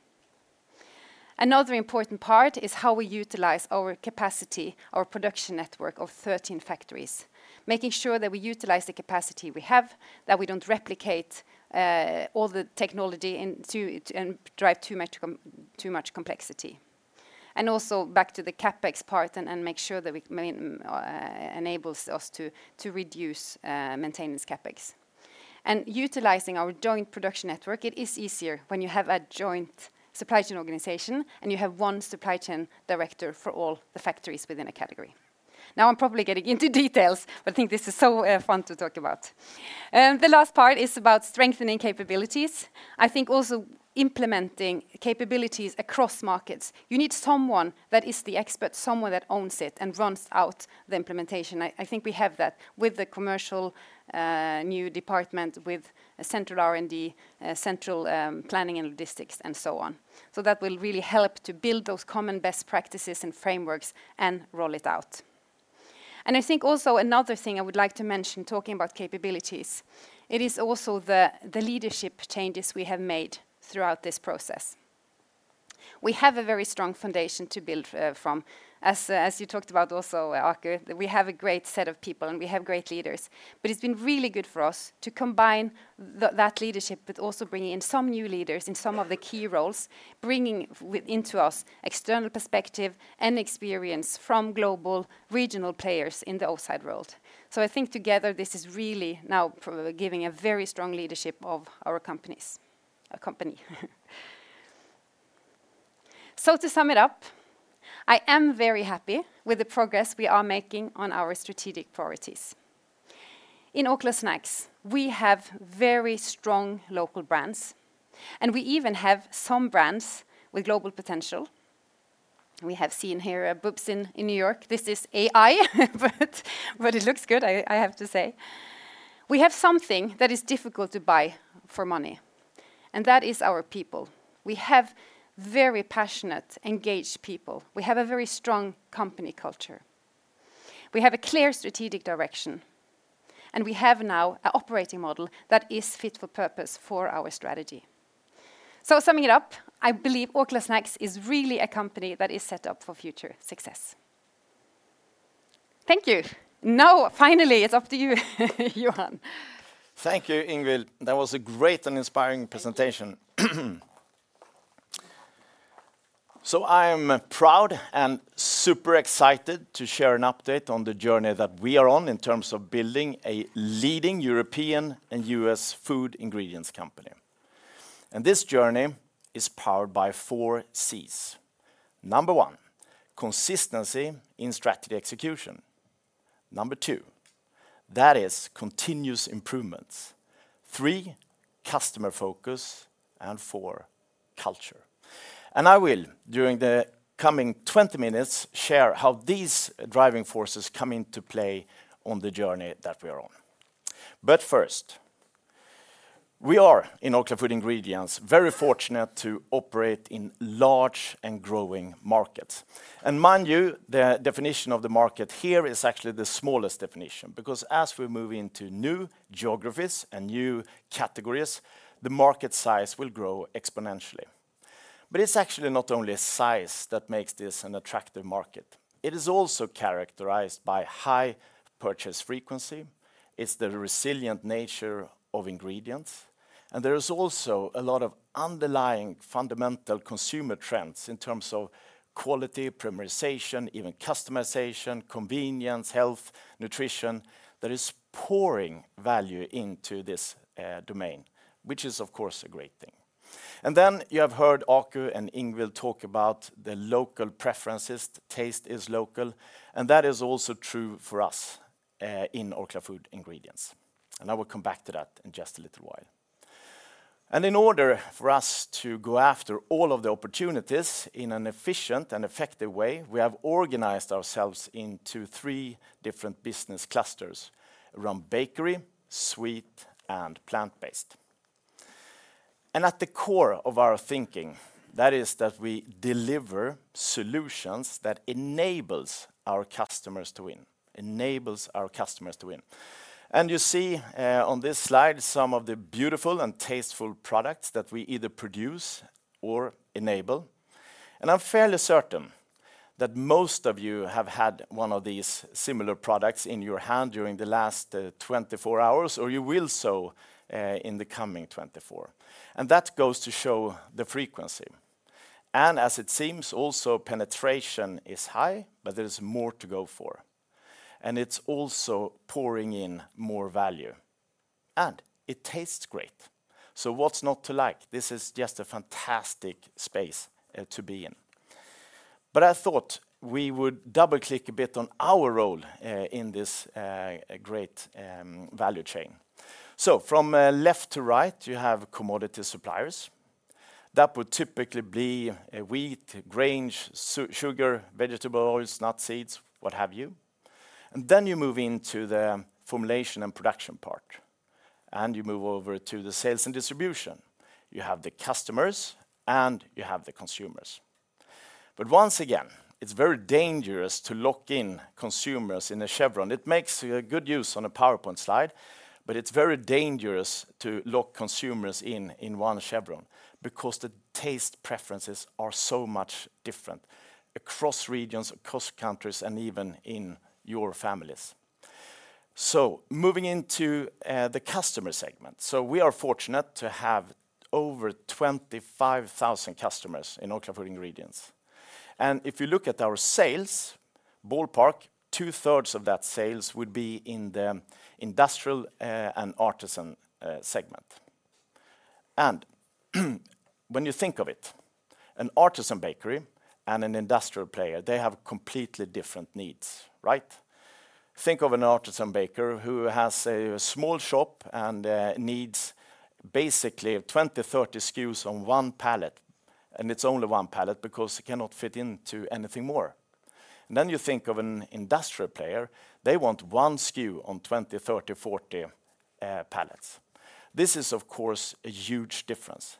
Another important part is how we utilize our capacity, our production network of 13 factories, making sure that we utilize the capacity we have, that we do not replicate all the technology and drive too much complexity. Also back to the CapEx part and make sure that it enables us to reduce maintenance CapEx. Utilizing our joint production network, it is easier when you have a joint supply chain organization and you have one supply chain director for all the factories within a category. Now I am probably getting into details, but I think this is so fun to talk about. The last part is about strengthening capabilities. I think also implementing capabilities across markets. You need someone that is the expert, someone that owns it and runs out the implementation. I think we have that with the commercial new department with central R&D, central planning and logistics, and so on. That will really help to build those common best practices and frameworks and roll it out. I think also another thing I would like to mention talking about capabilities. It is also the leadership changes we have made throughout this process. We have a very strong foundation to build from. As you talked about also, Aku, we have a great set of people and we have great leaders. It's been really good for us to combine that leadership, but also bringing in some new leaders in some of the key roles, bringing into us external perspective and experience from global regional players in the outside world. I think together this is really now giving a very strong leadership of our companies. To sum it up, I am very happy with the progress we are making on our strategic priorities. In Orkla Snacks, we have very strong local brands, and we even have some brands with global potential. We have seen here Boops in New York. This is AI, but it looks good, I have to say. We have something that is difficult to buy for money, and that is our people. We have very passionate, engaged people. We have a very strong company culture. We have a clear strategic direction, and we have now an operating model that is fit for purpose for our strategy. Summing it up, I believe Orkla Snacks is really a company that is set up for future success. Thank you. Now, finally, it's up to you, Johan. Thank you, Ingvill. That was a great and inspiring presentation. I'm proud and super excited to share an update on the journey that we are on in terms of building a leading European and US food ingredients company. This journey is powered by four Cs. Number one, consistency in strategy execution. Number two, that is continuous improvements. Three, customer focus, and four, culture. I will, during the coming 20 minutes, share how these driving forces come into play on the journey that we are on. First, we are in Orkla Food Ingredients very fortunate to operate in large and growing markets. Mind you, the definition of the market here is actually the smallest definition, because as we move into new geographies and new categories, the market size will grow exponentially. It's actually not only size that makes this an attractive market. It is also characterized by high purchase frequency. It's the resilient nature of ingredients. There is also a lot of underlying fundamental consumer trends in terms of quality, premiumization, even customization, convenience, health, nutrition that is pouring value into this domain, which is, of course, a great thing. You have heard Aku and Ingvill talk about the local preferences. Taste is local, and that is also true for us in Orkla Food Ingredients. I will come back to that in just a little while. In order for us to go after all of the opportunities in an efficient and effective way, we have organized ourselves into three different business clusters around bakery, sweet, and plant-based. At the core of our thinking, that is that we deliver solutions that enable our customers to win, enables our customers to win. You see on this slide some of the beautiful and tasteful products that we either produce or enable. I'm fairly certain that most of you have had one of these similar products in your hand during the last 24 hours, or you will do so in the coming 24. That goes to show the frequency. As it seems, also penetration is high, but there is more to go for. It is also pouring in more value. It tastes great. What's not to like? This is just a fantastic space to be in. I thought we would double-click a bit on our role in this great value chain. From left to right, you have commodity suppliers. That would typically be wheat, grains, sugar, vegetables, nuts, seeds, what have you. Then you move into the formulation and production part. You move over to the sales and distribution. You have the customers, and you have the consumers. Once again, it's very dangerous to lock in consumers in a chevron. It makes good use on a PowerPoint slide, but it's very dangerous to lock consumers in one chevron because the taste preferences are so much different across regions, across countries, and even in your families. Moving into the customer segment. We are fortunate to have over 25,000 customers in Orkla Food Ingredients. If you look at our sales, ballpark, two-thirds of that sales would be in the industrial and artisan segment. When you think of it, an artisan bakery and an industrial player, they have completely different needs, right? Think of an artisan baker who has a small shop and needs basically 20, 30 SKUs on one pallet. It is only one pallet because it cannot fit into anything more. You think of an industrial player. They want one SKU on 20, 30, 40 pallets. This is, of course, a huge difference.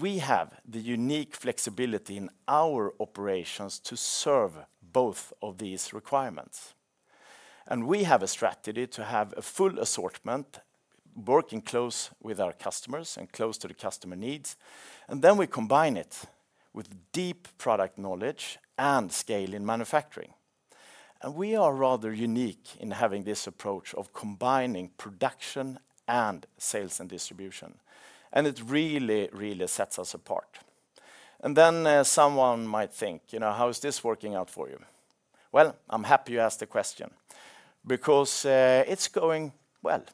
We have the unique flexibility in our operations to serve both of these requirements. We have a strategy to have a full assortment working close with our customers and close to the customer needs. We combine it with deep product knowledge and scale in manufacturing. We are rather unique in having this approach of combining production and sales and distribution. It really, really sets us apart. Someone might think, you know, how is this working out for you? I am happy you asked the question because it is going well.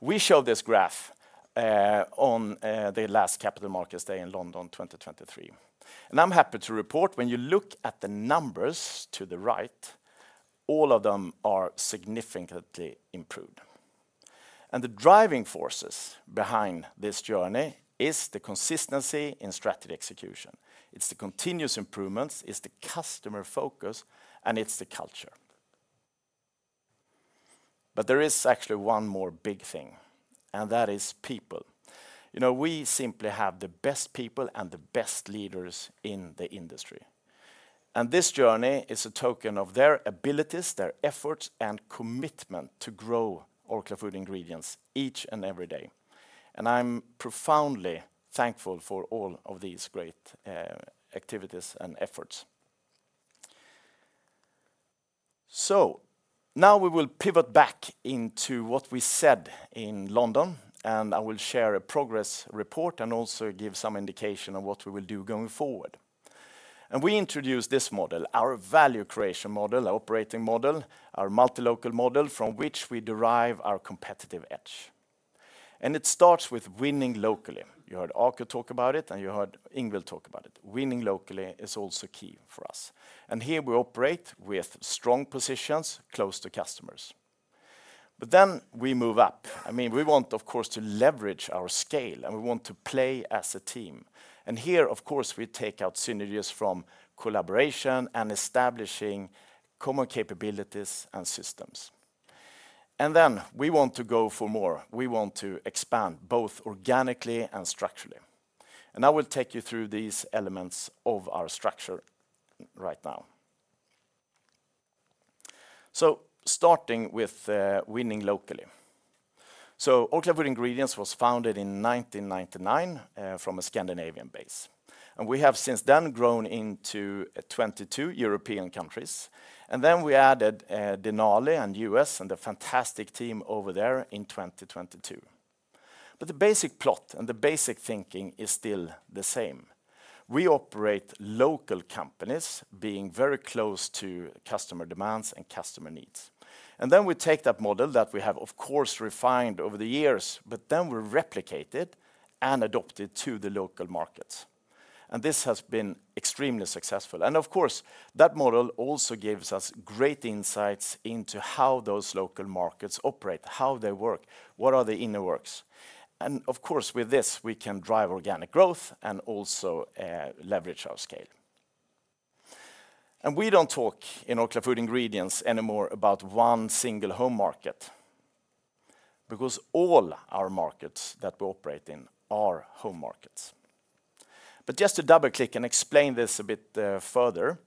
We showed this graph on the last Capital Markets Day in London 2023. I'm happy to report when you look at the numbers to the right, all of them are significantly improved. The driving forces behind this journey is the consistency in strategy execution. It's the continuous improvements, it's the customer focus, and it's the culture. There is actually one more big thing, and that is people. You know, we simply have the best people and the best leaders in the industry. This journey is a token of their abilities, their efforts, and commitment to grow Orkla Food Ingredients each and every day. I'm profoundly thankful for all of these great activities and efforts. Now we will pivot back into what we said in London, and I will share a progress report and also give some indication of what we will do going forward. We introduced this model, our value creation model, our operating model, our multi-local model from which we derive our competitive edge. It starts with winning locally. You heard Aku talk about it, and you heard Ingvill talk about it. Winning locally is also key for us. Here we operate with strong positions close to customers. We move up. I mean, we want, of course, to leverage our scale, and we want to play as a team. Here, of course, we take out synergies from collaboration and establishing common capabilities and systems. We want to go for more. We want to expand both organically and structurally. I will take you through these elements of our structure right now. Starting with winning locally. Orkla Food Ingredients was founded in 1999 from a Scandinavian base. We have since then grown into 22 European countries. Then we added Denali and US and the fantastic team over there in 2022. The basic plot and the basic thinking is still the same. We operate local companies being very close to customer demands and customer needs. We take that model that we have, of course, refined over the years, and we replicate it and adopt it to the local markets. This has been extremely successful. That model also gives us great insights into how those local markets operate, how they work, what are the inner works. With this, we can drive organic growth and also leverage our scale. We do not talk in Orkla Food Ingredients anymore about one single home market because all our markets that we operate in are home markets. Just to double-click and explain this a bit further,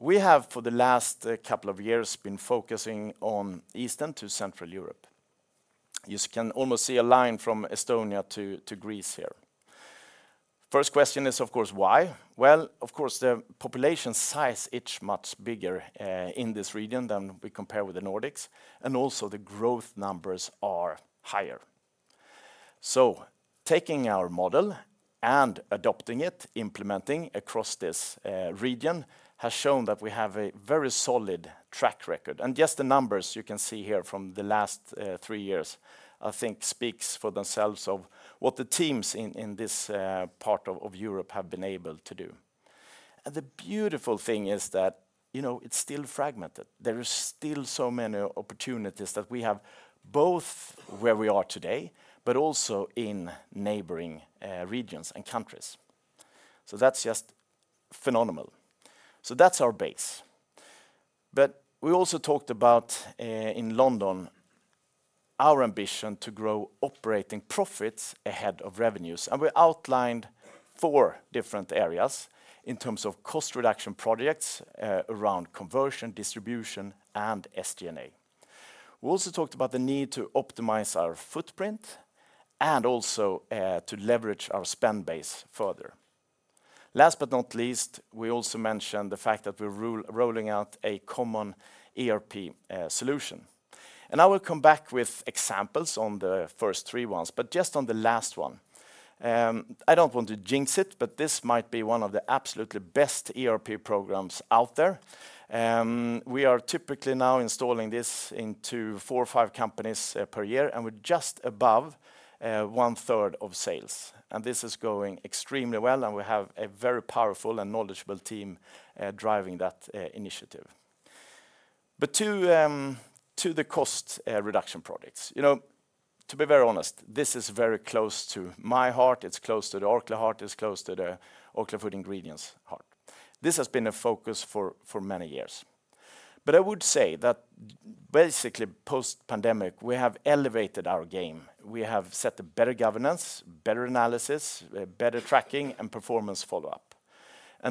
we have for the last couple of years been focusing on Eastern to Central Europe. You can almost see a line from Estonia to Greece here. The first question is, of course, why? The population size is much bigger in this region than when we compare with the Nordics, and also the growth numbers are higher. Taking our model and adopting it, implementing across this region has shown that we have a very solid track record. The numbers you can see here from the last three years, I think, speak for themselves of what the teams in this part of Europe have been able to do. The beautiful thing is that, you know, it's still fragmented. There are still so many opportunities that we have both where we are today, but also in neighboring regions and countries. That is just phenomenal. That is our base. We also talked about in London our ambition to grow operating profits ahead of revenues. We outlined four different areas in terms of cost reduction projects around conversion, distribution, and SG&A. We also talked about the need to optimize our footprint and also to leverage our spend base further. Last but not least, we also mentioned the fact that we are rolling out a common ERP solution. I will come back with examples on the first three ones, but just on the last one. I do not want to jinx it, but this might be one of the absolutely best ERP programs out there. We are typically now installing this into four or five companies per year, and we're just above one-third of sales. This is going extremely well, and we have a very powerful and knowledgeable team driving that initiative. To the cost reduction projects, you know, to be very honest, this is very close to my heart. It's close to the Orkla heart. It's close to the Orkla Food Ingredients heart. This has been a focus for many years. I would say that basically post-pandemic, we have elevated our game. We have set a better governance, better analysis, better tracking, and performance follow-up.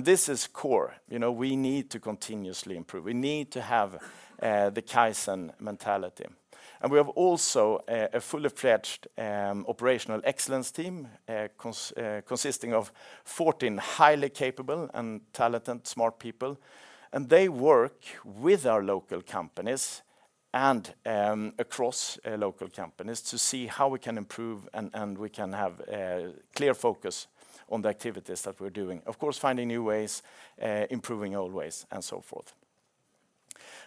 This is core. You know, we need to continuously improve. We need to have the Kaizen mentality. We have also a fully-fledged operational excellence team consisting of 14 highly capable and talented, smart people. They work with our local companies and across local companies to see how we can improve and we can have a clear focus on the activities that we're doing. Of course, finding new ways, improving old ways, and so forth.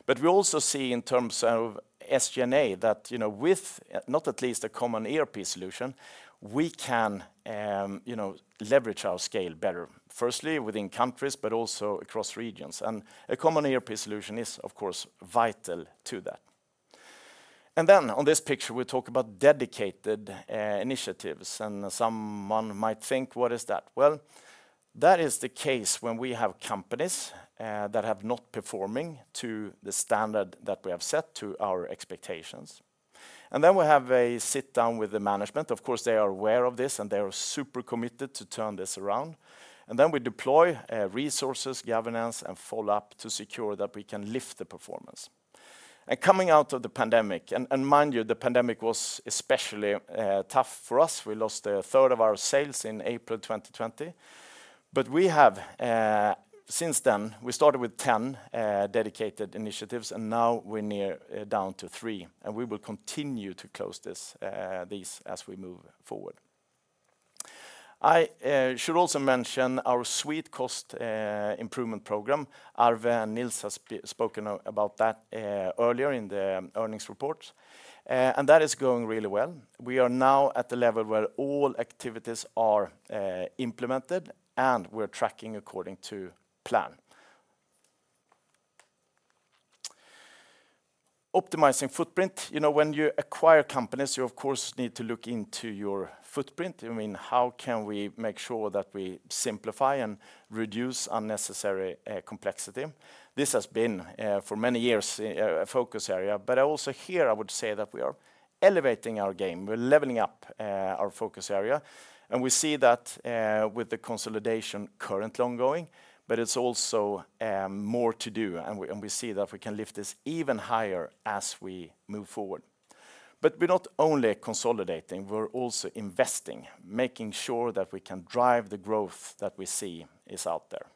We also see in terms of SG&A that, you know, with not at least a common ERP solution, we can, you know, leverage our scale better, firstly within countries, but also across regions. A common ERP solution is, of course, vital to that. On this picture, we talk about dedicated initiatives. Someone might think, what is that? That is the case when we have companies that are not performing to the standard that we have set to our expectations. We have a sit-down with the management. Of course, they are aware of this, and they are super committed to turn this around. We deploy resources, governance, and follow-up to secure that we can lift the performance. Coming out of the pandemic, and mind you, the pandemic was especially tough for us. We lost a third of our sales in April 2020. We have since then, we started with 10 dedicated initiatives, and now we're near down to three. We will continue to close these as we move forward. I should also mention our sweet cost improvement program. Arve and Nils have spoken about that earlier in the earnings report. That is going really well. We are now at the level where all activities are implemented, and we're tracking according to plan. Optimizing footprint. You know, when you acquire companies, you, of course, need to look into your footprint. I mean, how can we make sure that we simplify and reduce unnecessary complexity? This has been for many years a focus area. I would say that we are elevating our game. We're leveling up our focus area. We see that with the consolidation currently ongoing, but there is also more to do. We see that we can lift this even higher as we move forward. We're not only consolidating. We're also investing, making sure that we can drive the growth that we see is out there.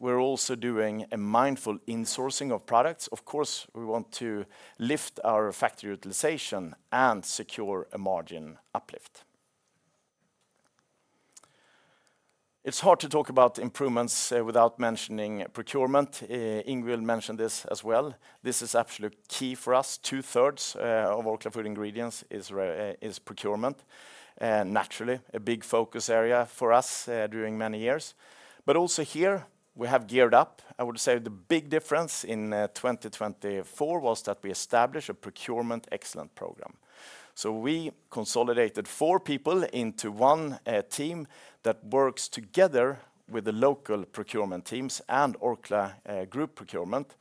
We're also doing a mindful insourcing of products. Of course, we want to lift our factory utilization and secure a margin uplift. It's hard to talk about improvements without mentioning procurement. Ingvill mentioned this as well. This is absolute key for us. Two-thirds of Orkla Food Ingredients is procurement, naturally, a big focus area for us during many years. Also here, we have geared up. I would say the big difference in 2024 was that we established a procurement excellence program. We consolidated four people into one team that works together with the local procurement teams and Orkla Group procurement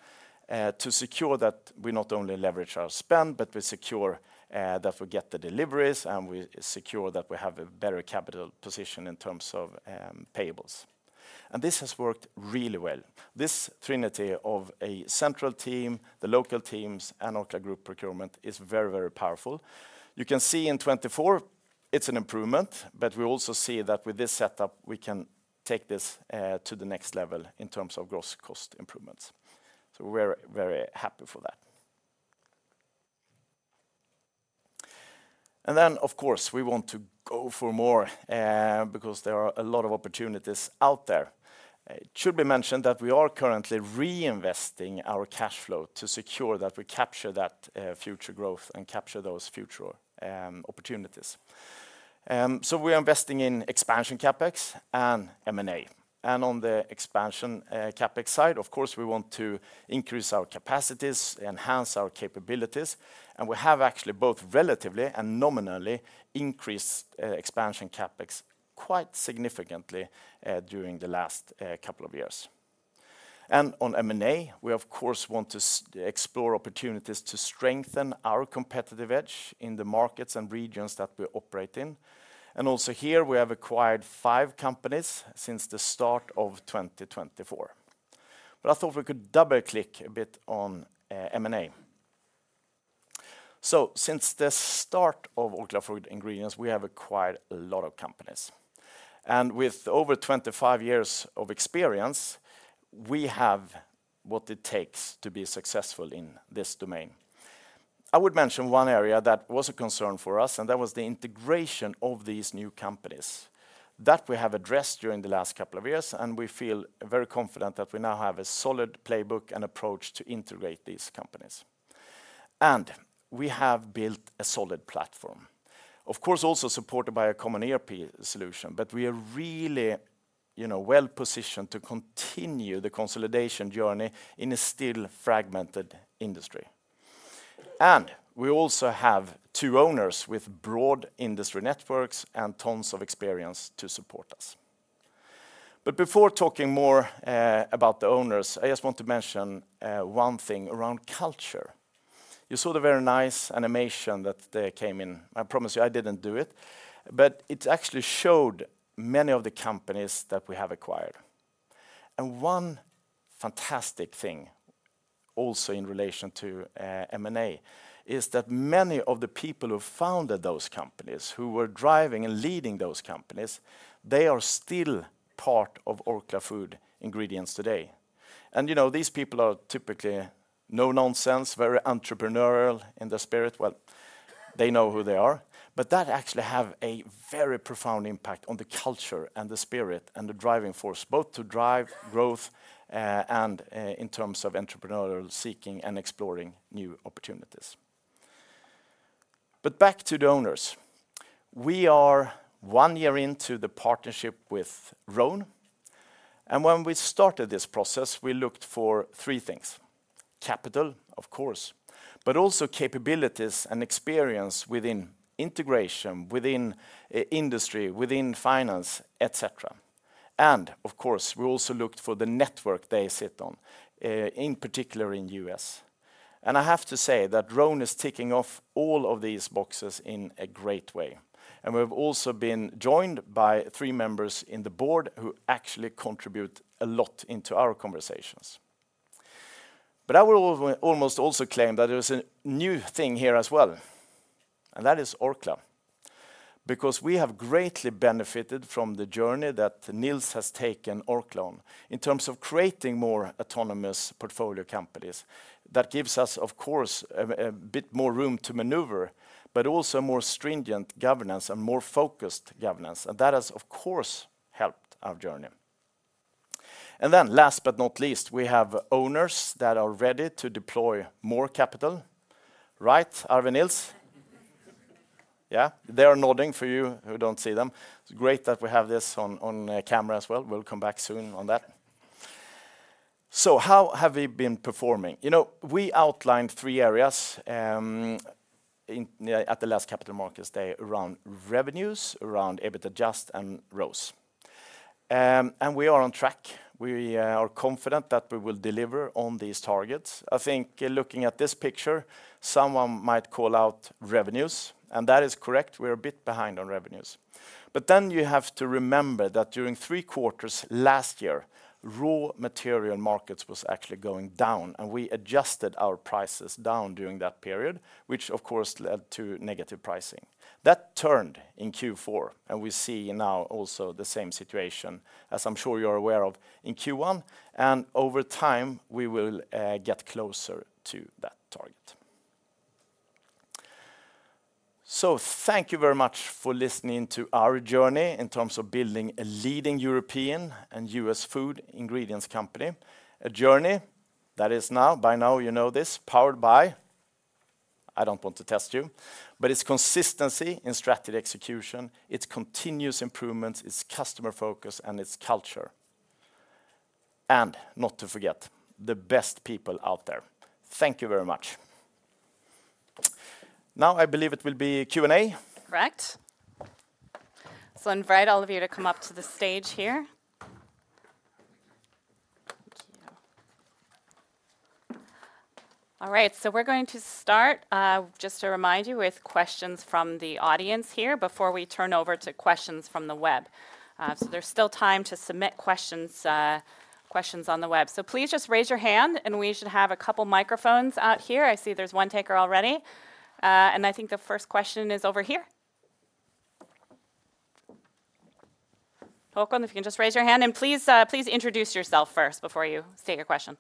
to secure that we not only leverage our spend, but we secure that we get the deliveries and we secure that we have a better capital position in terms of payables. This has worked really well. This trinity of a central team, the local teams, and Orkla Group procurement is very, very powerful. You can see in 2024, it is an improvement, but we also see that with this setup, we can take this to the next level in terms of gross cost improvements. We are very happy for that. Of course, we want to go for more because there are a lot of opportunities out there. It should be mentioned that we are currently reinvesting our cash flow to secure that we capture that future growth and capture those future opportunities. We are investing in expansion CapEx and M&A. On the expansion CapEx side, we want to increase our capacities, enhance our capabilities. We have actually both relatively and nominally increased expansion CapEx quite significantly during the last couple of years. On M&A, we want to explore opportunities to strengthen our competitive edge in the markets and regions that we operate in. Also here, we have acquired five companies since the start of 2024. I thought we could double-click a bit on M&A. Since the start of Orkla Food Ingredients, we have acquired a lot of companies. With over 25 years of experience, we have what it takes to be successful in this domain. I would mention one area that was a concern for us, and that was the integration of these new companies that we have addressed during the last couple of years. We feel very confident that we now have a solid playbook and approach to integrate these companies. We have built a solid platform, of course, also supported by a common ERP solution. We are really, you know, well positioned to continue the consolidation journey in a still fragmented industry. We also have two owners with broad industry networks and tons of experience to support us. Before talking more about the owners, I just want to mention one thing around culture. You saw the very nice animation that came in. I promise you, I didn't do it, but it actually showed many of the companies that we have acquired. One fantastic thing also in relation to M&A is that many of the people who founded those companies, who were driving and leading those companies, they are still part of Orkla Food Ingredients today. You know, these people are typically no-nonsense, very entrepreneurial in the spirit. They know who they are, but that actually has a very profound impact on the culture and the spirit and the driving force, both to drive growth and in terms of entrepreneurial seeking and exploring new opportunities. Back to the owners. We are one year into the partnership with Rhone. When we started this process, we looked for three things: capital, of course, but also capabilities and experience within integration, within industry, within finance, etc. Of course, we also looked for the network they sit on, in particular in the U.S. I have to say that Rhone is ticking off all of these boxes in a great way. We have also been joined by three members in the board who actually contribute a lot into our conversations. I would almost also claim that there is a new thing here as well, and that is Oakley. We have greatly benefited from the journey that Nils has taken Oakley on in terms of creating more autonomous portfolio companies. That gives us, of course, a bit more room to maneuver, but also more stringent governance and more focused governance. That has, of course, helped our journey. And then last but not least, we have owners that are ready to deploy more capital. Right, Arve and Nils? Yeah, they are nodding for you who do not see them. It is great that we have this on camera as well. We will come back soon on that. You know, we outlined three areas at the last capital markets day around revenues, around EBIT adjust and ROAS. And we are on track. We are confident that we will deliver on these targets. I think looking at this picture, someone might call out revenues, and that is correct. We are a bit behind on revenues. You have to remember that during three quarters last year, raw material markets were actually going down, and we adjusted our prices down during that period, which of course led to negative pricing. That turned in Q4, and we see now also the same situation, as I'm sure you're aware of, in Q1. Over time, we will get closer to that target. Thank you very much for listening to our journey in terms of building a leading European and US food ingredients company, a journey that is now, by now, you know this, powered by, I do not want to test you, but it is consistency in strategy execution, its continuous improvements, its customer focus, and its culture. Not to forget, the best people out there. Thank you very much. Now I believe it will be Q&A. Correct. I invite all of you to come up to the stage here. Thank you. All right, we are going to start, just to remind you, with questions from the audience here before we turn over to questions from the web. There's still time to submit questions on the web. Please just raise your hand, and we should have a couple of microphones out here. I see there's one taker already. I think the first question is over here. Håkan, if you can just raise your hand and please introduce yourself first before you state your question.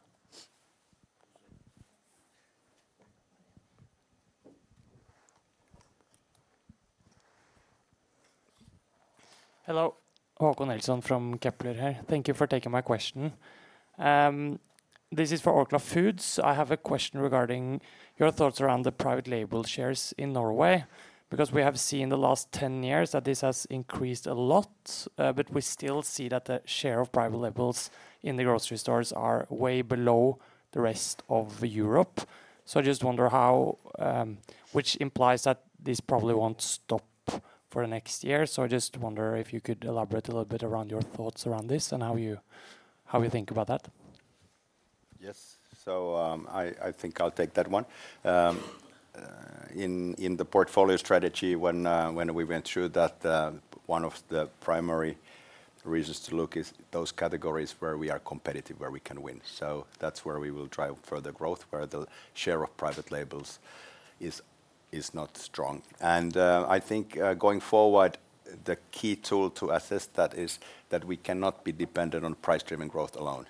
Hello, Håkan Nilsson from Kepler here. Thank you for taking my question. This is for Orkla Foods. I have a question regarding your thoughts around the private label shares in Norway, because we have seen the last 10 years that this has increased a lot, but we still see that the share of private labels in the grocery stores is way below the rest of Europe. I just wonder how, which implies that this probably won't stop for the next year. I just wonder if you could elaborate a little bit around your thoughts around this and how you think about that? Yes, I think I'll take that one. In the portfolio strategy, when we went through that, one of the primary reasons to look is those categories where we are competitive, where we can win. That is where we will drive further growth, where the share of private labels is not strong. I think going forward, the key tool to assess that is that we cannot be dependent on price-driven growth alone.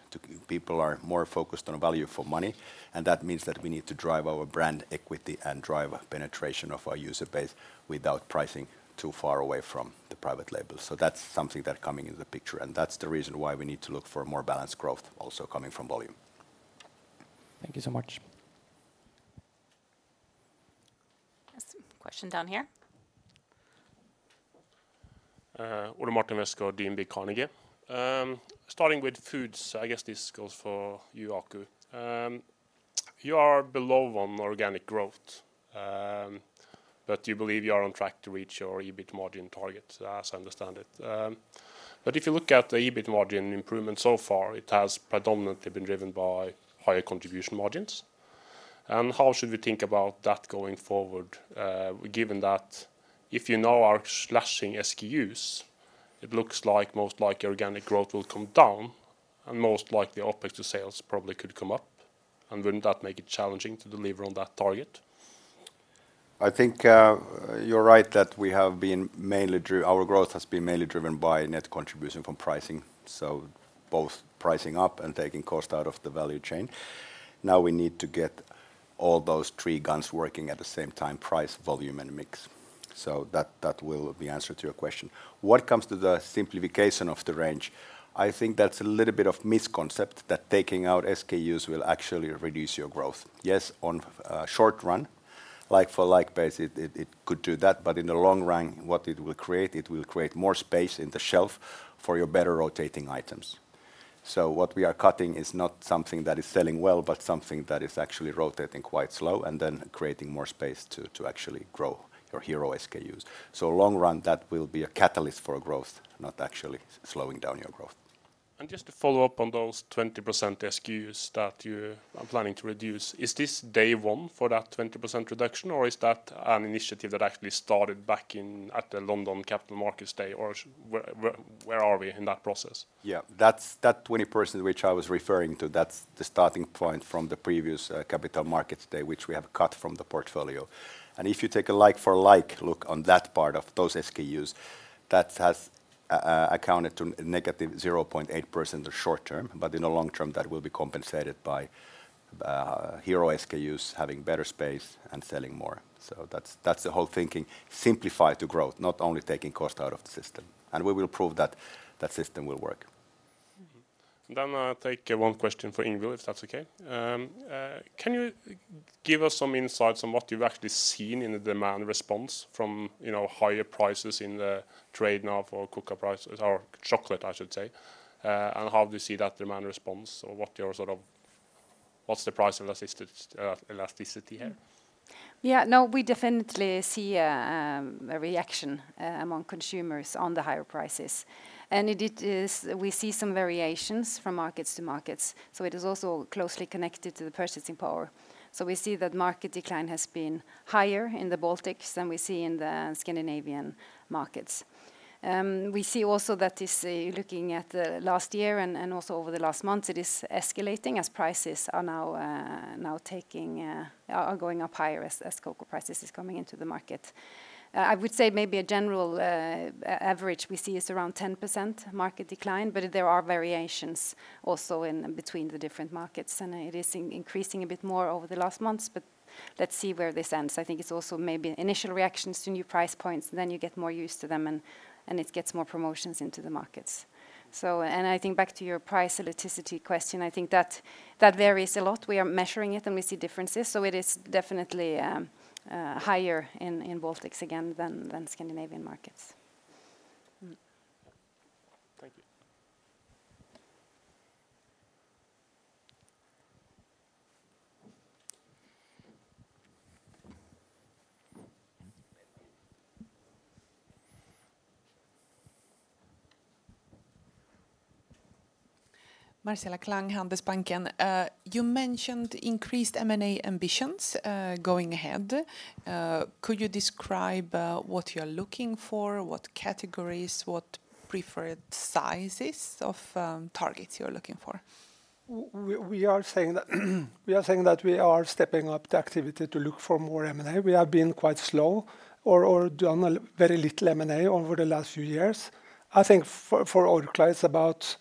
People are more focused on value for money, and that means that we need to drive our brand equity and drive penetration of our user base without pricing too far away from the private label. That is something that is coming into the picture. That's the reason why we need to look for more balanced growth also coming from volume. Thank you so much. Question down here. Ole Martin Westgaard, DNB Carnegie. Starting with Foods, I guess this goes for you, Aku. You are below on organic growth, but you believe you are on track to reach your EBIT margin target, as I understand it. If you look at the EBIT margin improvement so far, it has predominantly been driven by higher contribution margins. How should we think about that going forward, given that if you now are slashing SKUs, it looks like most likely organic growth will come down, and most likely OpEx to sales probably could come up. Wouldn't that make it challenging to deliver on that target? I think you're right that we have been mainly, our growth has been mainly driven by net contribution from pricing. Both pricing up and taking cost out of the value chain. Now we need to get all those three guns working at the same time: price, volume, and mix. That will be the answer to your question. What comes to the simplification of the range, I think that's a little bit of a misconcept that taking out SKUs will actually reduce your growth. Yes, on a short run, like-for-like base, it could do that. In the long run, what it will create, it will create more space in the shelf for your better rotating items. What we are cutting is not something that is selling well, but something that is actually rotating quite slow and then creating more space to actually grow your hero SKUs. Long run, that will be a catalyst for growth, not actually slowing down your growth. Just to follow up on those 20% SKUs that you are planning to reduce, is this day one for that 20% reduction, or is that an initiative that actually started back at the London capital markets day, or where are we in that process? Yeah, that 20% which I was referring to, that's the starting point from the previous capital markets day, which we have cut from the portfolio. If you take a like-for-like look on that part of those SKUs, that has accounted to a negative 0.8% in the short term, but in the long term, that will be compensated by hero SKUs having better space and selling more. That is the whole thinking simplified to growth, not only taking cost out of the system. We will prove that that system will work. I will take one question for Ingvill, if that's okay. Can you give us some insights on what you've actually seen in the demand response from higher prices in the trade now for cocoa prices or chocolate, I should say? How do you see that demand response or what's the price elasticity here? Yeah, no, we definitely see a reaction among consumers on the higher prices. We see some variations from markets to markets. It is also closely connected to the purchasing power. We see that market decline has been higher in the Baltics than we see in the Scandinavian markets. We see also that this is looking at the last year and also over the last months, it is escalating as prices are now going up higher as cocoa prices are coming into the market. I would say maybe a general average we see is around 10% market decline, but there are variations also in between the different markets, and it is increasing a bit more over the last months. Let's see where this ends. I think it's also maybe initial reactions to new price points, and then you get more used to them, and it gets more promotions into the markets. I think back to your price elasticity question, I think that varies a lot. We are measuring it, and we see differences. It is definitely higher in Baltics again than Scandinavian markets. Thank you. Marcela Klang, Handelsbanken. You mentioned increased M&A ambitions going ahead. Could you describe what you're looking for, what categories, what preferred sizes of targets you're looking for? We are saying that we are stepping up the activity to look for more M&A. We have been quite slow or done very little M&A over the last few years. I think for Orkla it's about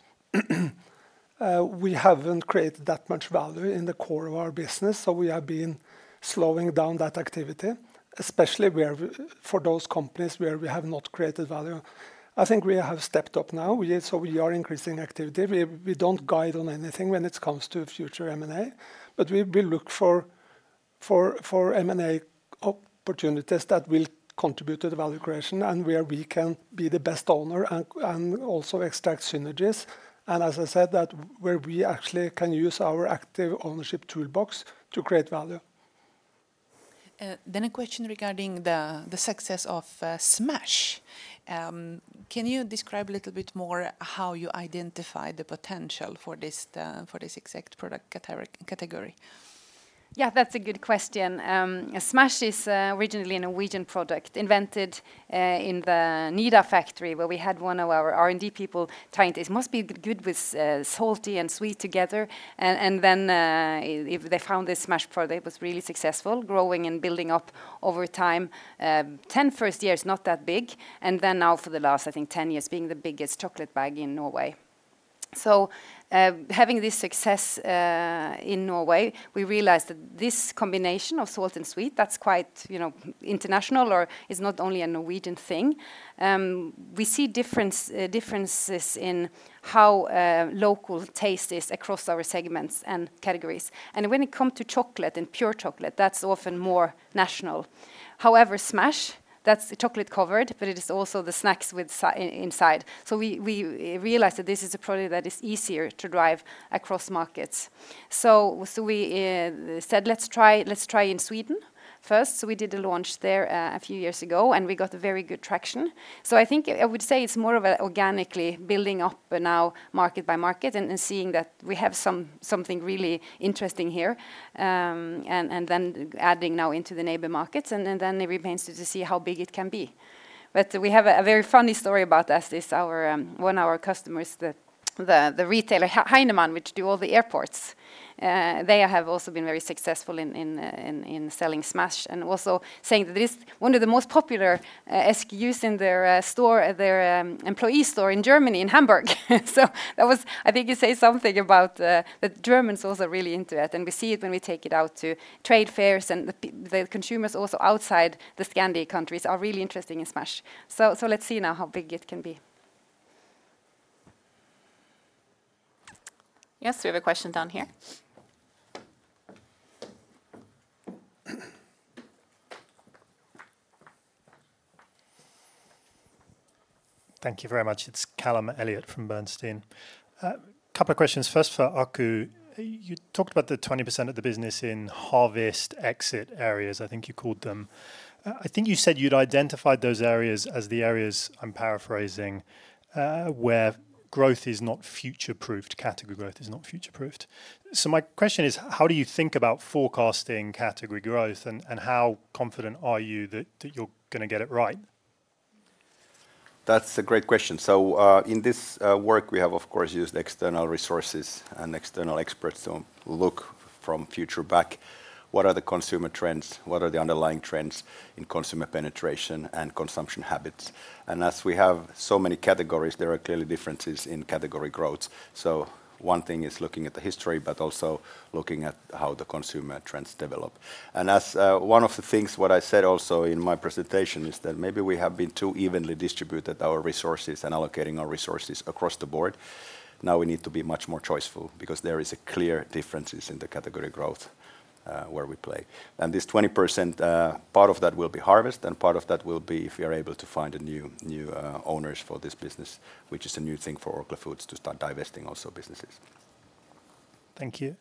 we haven't created that much value in the core of our business, so we have been slowing down that activity, especially for those companies where we have not created value. I think we have stepped up now, so we are increasing activity. We don't guide on anything when it comes to future M&A, but we look for M&A opportunities that will contribute to the value creation and where we can be the best owner and also extract synergies. As I said, where we actually can use our active ownership toolbox to create value. A question regarding the success of Smash. Can you describe a little bit more how you identify the potential for this exact product category? Yeah, that's a good question. SMASH is originally a Norwegian product invented in the Nidar factory where we had one of our R&D people trying to, it must be good with salty and sweet together. Then they found this SMASH product that was really successful, growing and building up over time. The first 10 years, not that big. Now for the last, I think, 10 years being the biggest chocolate bag in Norway. Having this success in Norway, we realized that this combination of salt and sweet, that's quite international or is not only a Norwegian thing. We see differences in how local taste is across our segments and categories. When it comes to chocolate and pure chocolate, that's often more national. However, SMASH, that's chocolate covered, but it is also the snacks inside. We realized that this is a product that is easier to drive across markets. We said, let's try in Sweden first. We did a launch there a few years ago, and we got very good traction. I think I would say it's more of an organically building up now market by market and seeing that we have something really interesting here. Adding now into the neighbor markets, it remains to see how big it can be. We have a very funny story about this. One of our customers, the retailer Heinemann, which does all the airports, has also been very successful in selling Smash and also saying that it is one of the most popular SKUs in their employee store in Germany, in Hamburg. That was, I think you say something about the Germans also really into it, and we see it when we take it out to trade fairs, and the consumers also outside the Scandic countries are really interested in Smash. Let's see now how big it can be. Yes, we have a question down here. Thank you very much. It's Callum Elliott from Bernstein. A couple of questions first for Aku. You talked about the 20% of the business in harvest exit areas, I think you called them. I think you said you'd identified those areas as the areas, I'm paraphrasing, where growth is not future-proofed, category growth is not future-proofed. My question is, how do you think about forecasting category growth, and how confident are you that you're going to get it right? That's a great question. In this work, we have, of course, used external resources and external experts to look from future back, what are the consumer trends, what are the underlying trends in consumer penetration and consumption habits. As we have so many categories, there are clearly differences in category growth. One thing is looking at the history, but also looking at how the consumer trends develop. One of the things what I said also in my presentation is that maybe we have been too evenly distributed our resources and allocating our resources across the board. Now we need to be much more choiceful because there are clear differences in the category growth where we play. This 20% part of that will be harvest, and part of that will be if we are able to find new owners for this business, which is a new thing for Orkla Foods to start divesting also businesses. Thank you.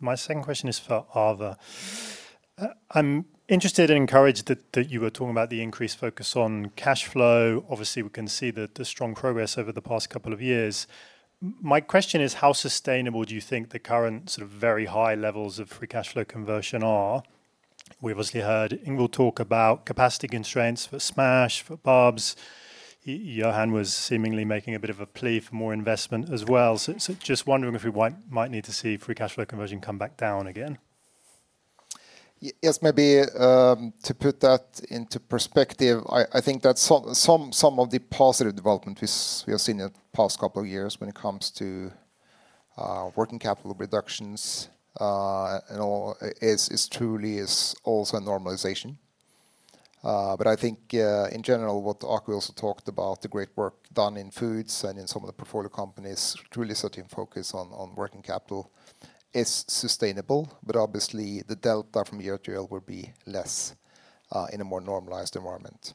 My second question is for Arve. I'm interested and encouraged that you were talking about the increased focus on cash flow. Obviously, we can see the strong progress over the past couple of years. My question is, how sustainable do you think the current sort of very high levels of free cash flow conversion are? We obviously heard Ingvill talk about capacity constraints for Smash, for Boops. Johan was seemingly making a bit of a plea for more investment as well. Just wondering if we might need to see free cash flow conversion come back down again. Yes, maybe to put that into perspective, I think that some of the positive development we have seen in the past couple of years when it comes to working capital reductions and all is truly also a normalization. I think in general, what Aku also talked about, the great work done in Foods and in some of the portfolio companies, truly setting focus on working capital is sustainable, but obviously the delta from year to year will be less in a more normalized environment.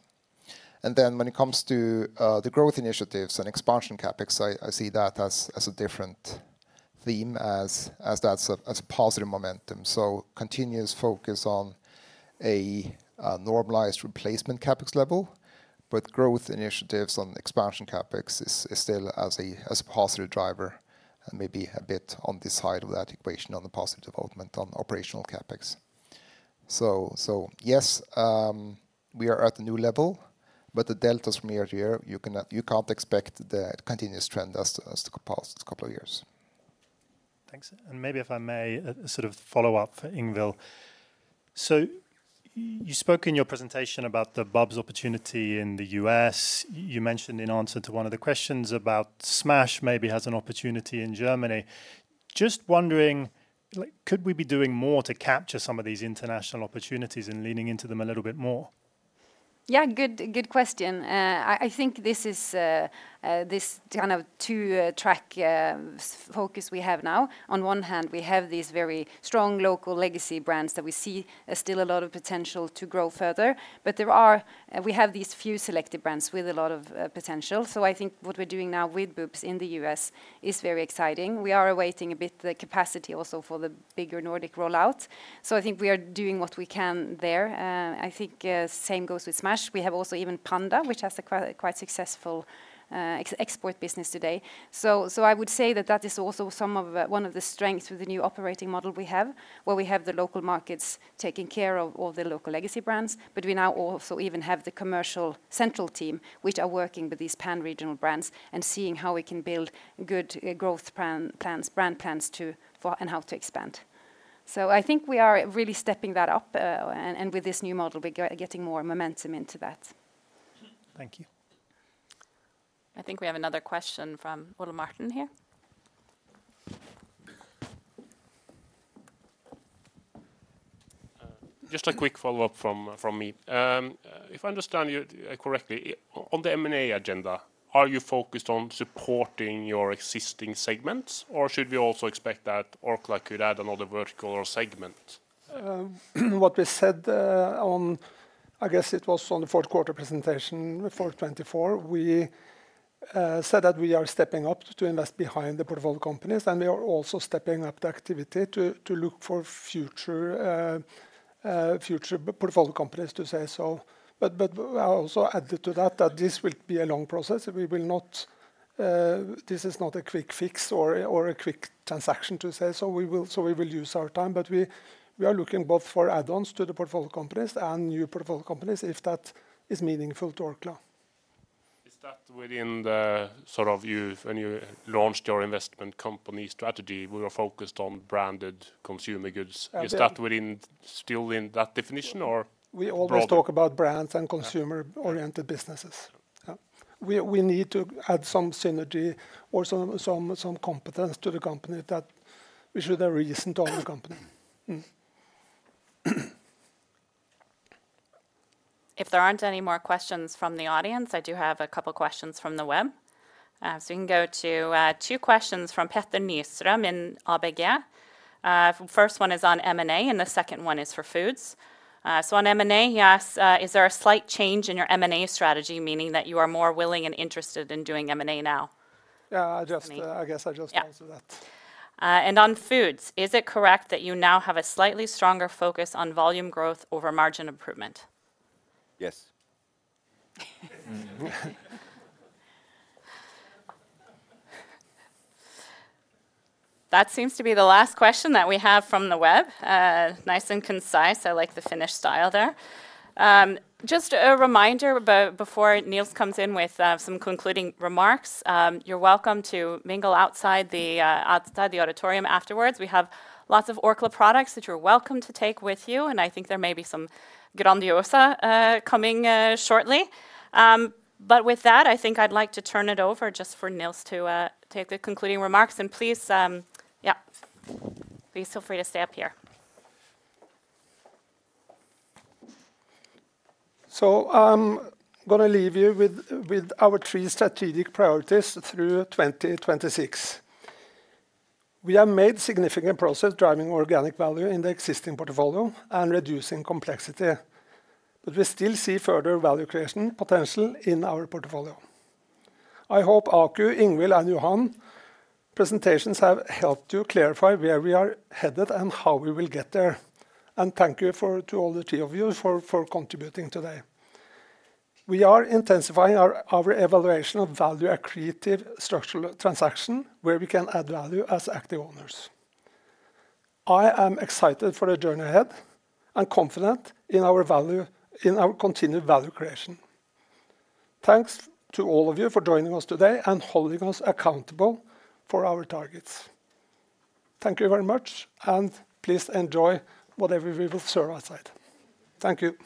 When it comes to the growth initiatives and expansion CapEx, I see that as a different theme, as that's a positive momentum. Continuous focus on a normalized replacement CapEx level, but growth initiatives on expansion CapEx is still as a positive driver and maybe a bit on the side of that equation on the positive development on operational CapEx. Yes, we are at a new level, but the deltas from year to year, you can't expect the continuous trend as to the past couple of years. Thanks. Maybe if I may sort of follow up for Ingvill. You spoke in your presentation about the BUBS opportunity in the U.S. You mentioned in answer to one of the questions about Smash maybe has an opportunity in Germany. Just wondering, could we be doing more to capture some of these international opportunities and leaning into them a little bit more? Yeah, good question. I think this is this kind of two-track focus we have now. On one hand, we have these very strong local legacy brands that we see still a lot of potential to grow further, but we have these few selected brands with a lot of potential. I think what we're doing now with BUBS in the US is very exciting. We are awaiting a bit the capacity also for the bigger Nordic rollout. I think we are doing what we can there. I think same goes with Smash. We have also even Panda, which has a quite successful export business today. I would say that that is also some of one of the strengths with the new operating model we have, where we have the local markets taking care of all the local legacy brands, but we now also even have the commercial central team, which are working with these pan-regional brands and seeing how we can build good growth plans, brand plans too, and how to expand. I think we are really stepping that up, and with this new model, we're getting more momentum into that. Thank you. I think we have another question from Ole Martin here. Just a quick follow-up from me. If I understand you correctly, on the M&A agenda, are you focused on supporting your existing segments, or should we also expect that Orkla could add another vertical or segment? What we said on, I guess it was on the fourth quarter presentation for 2024, we said that we are stepping up to invest behind the portfolio companies, and we are also stepping up the activity to look for future portfolio companies, to say so. I also added to that that this will be a long process. This is not a quick fix or a quick transaction, to say so. We will use our time, but we are looking both for add-ons to the portfolio companies and new portfolio companies if that is meaningful to Orkla. Is that within the sort of, when you launched your investment company strategy, we were focused on branded consumer goods? Is that still in that definition, or? We always talk about brands and consumer-oriented businesses. We need to add some synergy or some competence to the company that we should have recent on the company. If there aren't any more questions from the audience, I do have a couple of questions from the web. You can go to two questions from Petter Nyström in ABG. The first one is on M&A, and the second one is for foods. On M&A, he asks, is there a slight change in your M&A strategy, meaning that you are more willing and interested in doing M&A now? Yeah, I guess I just answered that. On foods, is it correct that you now have a slightly stronger focus on volume growth over margin improvement? Yes. That seems to be the last question that we have from the web. Nice and concise. I like the Finish style there. Just a reminder before Nils comes in with some concluding remarks, you're welcome to mingle outside the auditorium afterwards. We have lots of Orkla products that you're welcome to take with you, and I think there may be some Grandiosa coming shortly. With that, I think I'd like to turn it over just for Nils to take the concluding remarks, and please, yeah, please feel free to stay up here. I'm going to leave you with our three strategic priorities through 2026. We have made significant progress driving organic value in the existing portfolio and reducing complexity, but we still see further value creation potential in our portfolio. I hope Aku, Ingvill, and Johan's presentations have helped you clarify where we are headed and how we will get there. Thank you to all three of you for contributing today. We are intensifying our evaluation of value-accretive structural transactions where we can add value as active owners. I am excited for the journey ahead and confident in our continued value creation. Thanks to all of you for joining us today and holding us accountable for our targets. Thank you very much, and please enjoy whatever we will serve outside. Thank you.